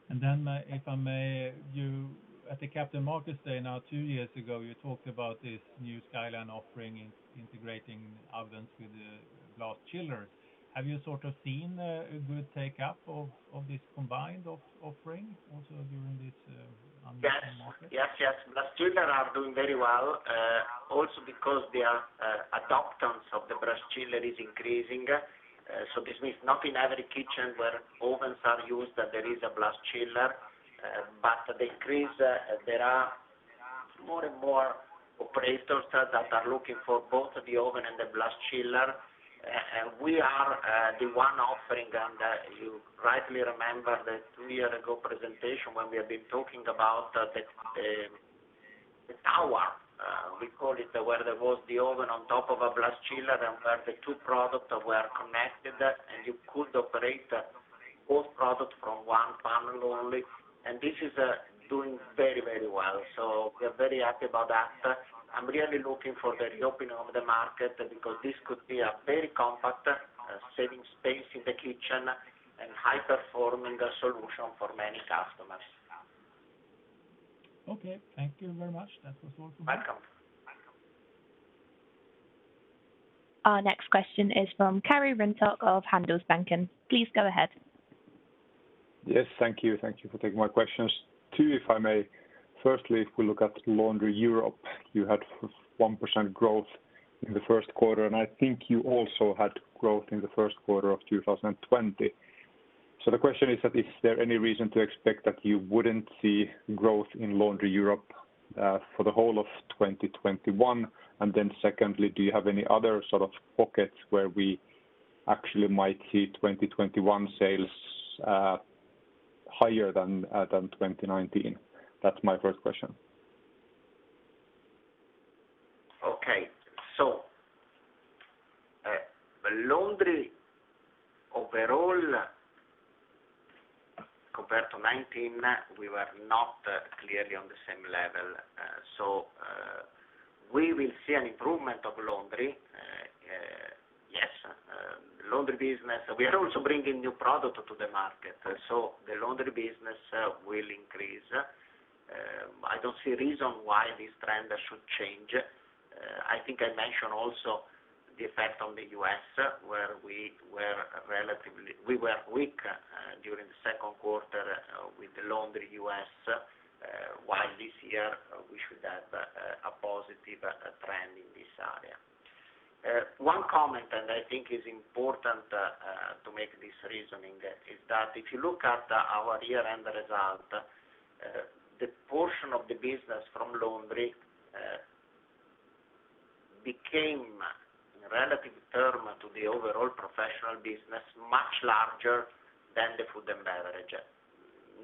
Speaker 8: If I may, at the Capital Market Day now two years ago, you talked about this new SkyLine offering integrating ovens with blast chillers. Have you sort of seen a good take-up of this combined offering also during this unusual market?
Speaker 2: Yes. Blast chiller are doing very well, also because the adoption of the blast chiller is increasing. This means not in every kitchen where ovens are used that there is a blast chiller, but there are more and more operators that are looking for both the oven and the blast chiller. We are the one offering, and you rightly remember the two-year-ago presentation when we have been talking about the tower, we call it, where there was the oven on top of a blast chiller and where the two products were connected, and you could operate both products from one panel only. This is doing very well. We are very happy about that. I'm really looking for the reopening of the market because this could be a very compact, saving space in the kitchen, and high-performing solution for many customers.
Speaker 8: Okay. Thank you very much. That was all from me.
Speaker 2: Welcome.
Speaker 4: Our next question is from Karri Rinta of Handelsbanken. Please go ahead.
Speaker 9: Yes. Thank you. Thank you for taking my questions. Two, if I may. Firstly, if we look at Laundry Europe, you had 1% growth in the first quarter, and I think you also had growth in the first quarter of 2020. The question is that, is there any reason to expect that you wouldn't see growth in Laundry Europe for the whole of 2021? Secondly, do you have any other sort of pockets where we actually might see 2021 sales higher than 2019? That's my first question.
Speaker 2: Okay. Laundry, overall, compared to 2019, we were not clearly on the same level. We will see an improvement of Laundry. Yes. We are also bringing new product to the market. The Laundry business will increase. I don't see a reason why this trend should change. I think I mentioned also the effect on the U.S., where we were weak during the second quarter with the Laundry U.S., while this year we should have a positive trend in this area. One comment that I think is important to make this reasoning is that if you look at our year-end result, the portion of the business from Laundry became, in relative term to the overall professional business, much larger than the Food & Beverage.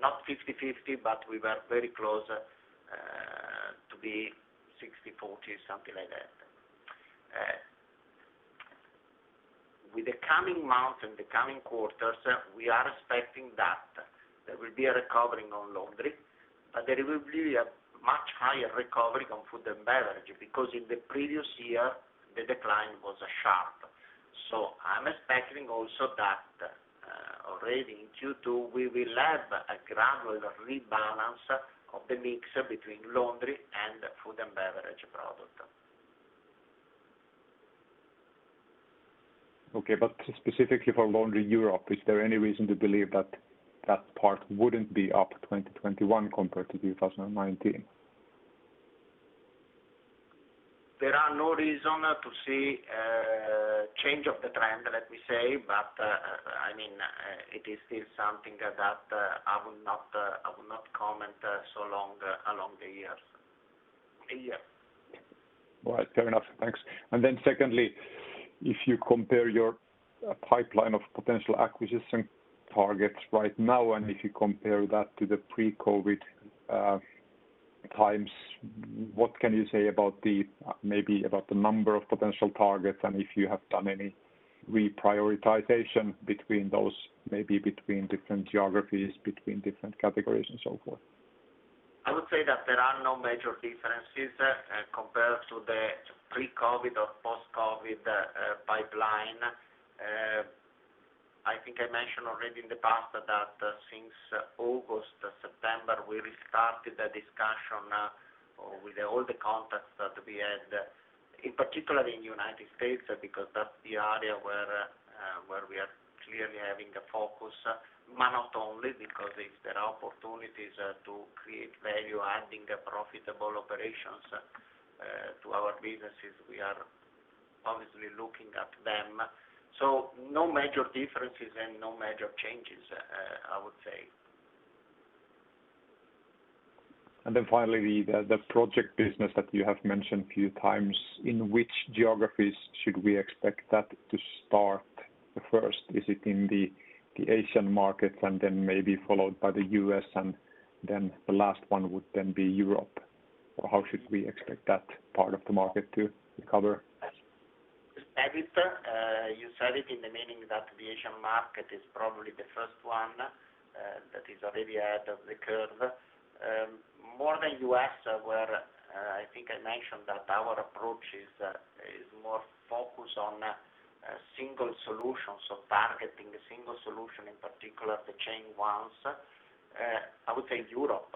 Speaker 2: Not 50/50, but we were very close to be 60/40, something like that. With the coming months and the coming quarters, we are expecting that there will be a recovery on Laundry, but there will be a much higher recovery on Food & Beverage, because in the previous year, the decline was sharp. I'm expecting also that already in Q2, we will have a gradual rebalance of the mix between Laundry and Food & Beverage product.
Speaker 9: Okay. Specifically for Laundry Europe, is there any reason to believe that that part wouldn't be up 2021 compared to 2019?
Speaker 2: There are no reason to see a change of the trend, let me say. It is still something that I will not comment so long along the years. Yeah.
Speaker 9: All right. Fair enough. Thanks. Secondly, if you compare your pipeline of potential acquisition targets right now, if you compare that to the pre-COVID times, what can you say about the number of potential targets and if you have done any reprioritization between those, maybe between different geographies, between different categories and so forth?
Speaker 2: I would say that there are no major differences compared to the pre-COVID or post-COVID pipeline. I think I mentioned already in the past that since August, September, we restarted the discussion with all the contacts that we had, in particular in the U.S., because that's the area where we are clearly having a focus. Not only because if there are opportunities to create value, adding profitable operations to our businesses, we are obviously looking at them. No major differences and no major changes, I would say.
Speaker 9: Finally, the project business that you have mentioned a few times, in which geographies should we expect that to start first? Is it in the Asian markets and then maybe followed by the U.S., and then the last one would then be Europe? Or how should we expect that part of the market to recover?
Speaker 2: As you said it, in the meaning that the Asian market is probably the first one that is already ahead of the curve. More than U.S., where I think I mentioned that our approach is more focused on single solutions, so targeting a single solution, in particular, the chain ones. I would say Europe.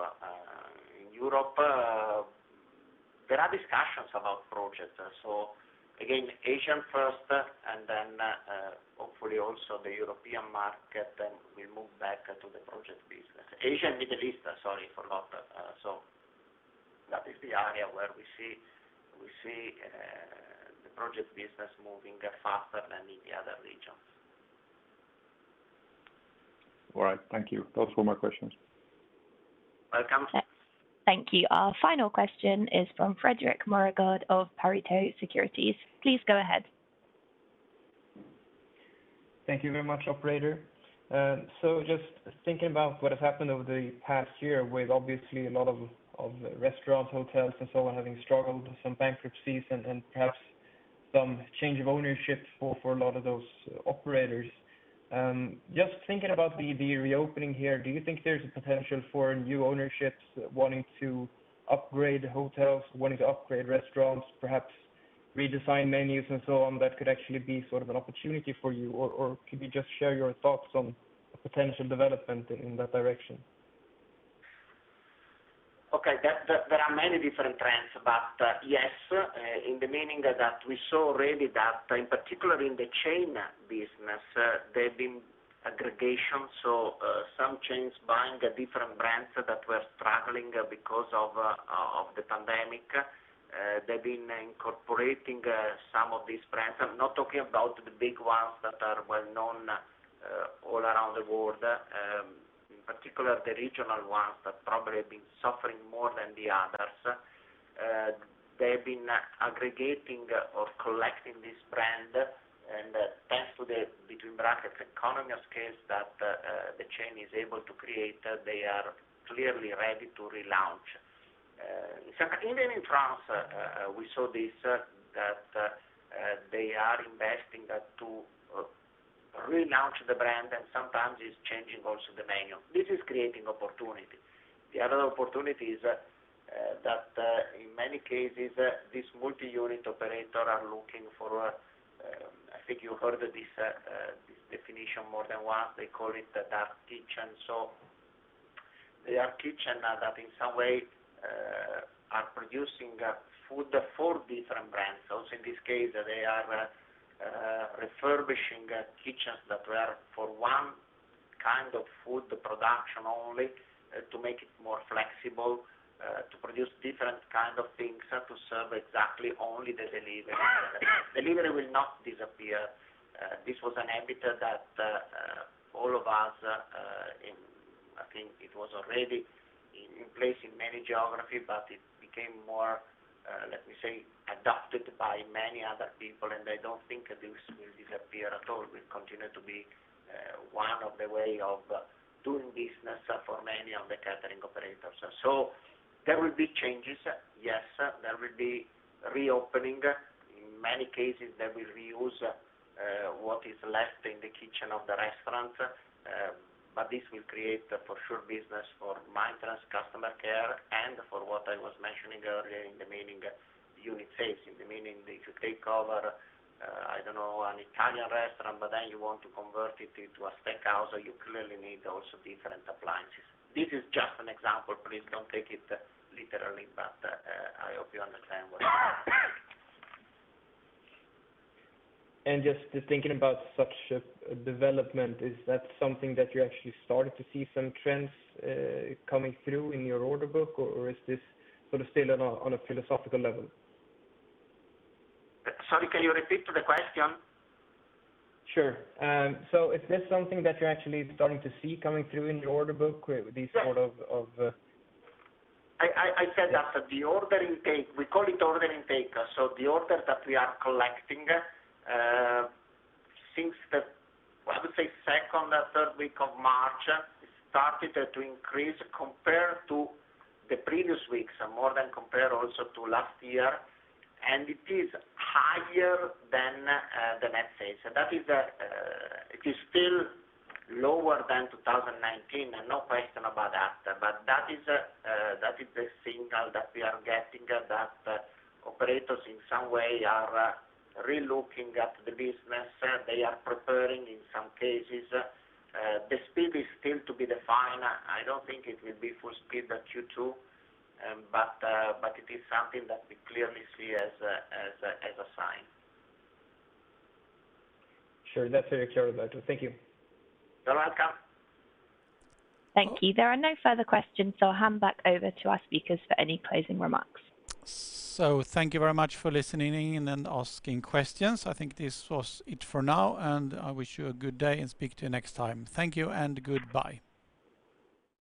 Speaker 2: In Europe, there are discussions about projects. Again, Asian first, and then hopefully also the European market, then we move back to the project business. Asian, Middle East, sorry, forgot. That is the area where we see the project business moving faster than in the other regions.
Speaker 9: All right. Thank you. Those were my questions.
Speaker 2: Welcome.
Speaker 4: Thank you. Our final question is from Fredrik Moregård of Pareto Securities. Please go ahead.
Speaker 10: Thank you very much, operator. Just thinking about what has happened over the past year with obviously a lot of restaurant, hotels and so on having struggled, some bankruptcies and perhaps some change of ownership for a lot of those operators. Just thinking about the reopening here, do you think there's a potential for new ownerships wanting to upgrade hotels, wanting to upgrade restaurants, perhaps redesign menus and so on, that could actually be sort of an opportunity for you? Could you just share your thoughts on potential development in that direction?
Speaker 2: Okay. There are many different trends, but yes, in the meaning that we saw already that, in particular in the chain business, there have been aggregations. Some chains buying different brands that were struggling because of the pandemic. They've been incorporating some of these brands. I'm not talking about the big ones that are well known all around the world. In particular, the regional ones that probably have been suffering more than the others. They've been aggregating or collecting this brand. Thanks to the, between brackets, economies case that the chain is able to create, they are clearly ready to relaunch. Even in France, we saw this, that they are investing to relaunch the brand, and sometimes it's changing also the menu. This is creating opportunity. The other opportunity is that in many cases, this multi-unit operator are looking for I think you heard this definition more than once. They call it the dark kitchen. The dark kitchen that in some way are producing food for different brands. In this case, they are refurbishing kitchens that were for one kind of food production only, to make it more flexible, to produce different kind of things, to serve exactly only the delivery. Delivery will not disappear. This was an habit that all of us, I think it was already in place in many geographies, but it became more, let me say, adopted by many other people, and I don't think this will disappear at all. Will continue to be one of the way of doing business for many of the catering operators. There will be changes, yes. There will be reopening. In many cases, they will reuse what is left in the kitchen of the restaurant. This will create, for sure, business for maintenance, customer care, and for what I was mentioning earlier in the meeting, unit facing. In the meaning that you take over, I don't know, an Italian restaurant, but then you want to convert it into a steakhouse, you clearly need also different appliances. This is just an example. Please don't take it literally, but I hope you understand what I mean.
Speaker 10: Just thinking about such a development, is that something that you actually started to see some trends coming through in your order book, or is this sort of still on a philosophical level?
Speaker 2: Sorry, can you repeat the question?
Speaker 10: Sure. Is this something that you're actually starting to see coming through in the order book with these?
Speaker 2: Yes. I said that we call it ordering take. The orders that we are collecting since the, I would say, second or third week of March, it started to increase compared to the previous weeks, more than compared also to last year, and it is higher than let's say. It is still lower than 2019, no question about that, but that is the signal that we are getting, that operators in some way are re-looking at the business. They are preparing in some cases. The speed is still to be defined. I don't think it will be full speed Q2, but it is something that we clearly see as a sign.
Speaker 10: Sure. That's very clear. Thank you.
Speaker 2: You're welcome.
Speaker 4: Thank you. There are no further questions, so I'll hand back over to our speakers for any closing remarks.
Speaker 1: Thank you very much for listening and asking questions. I think this was it for now, and I wish you a good day and speak to you next time. Thank you and goodbye.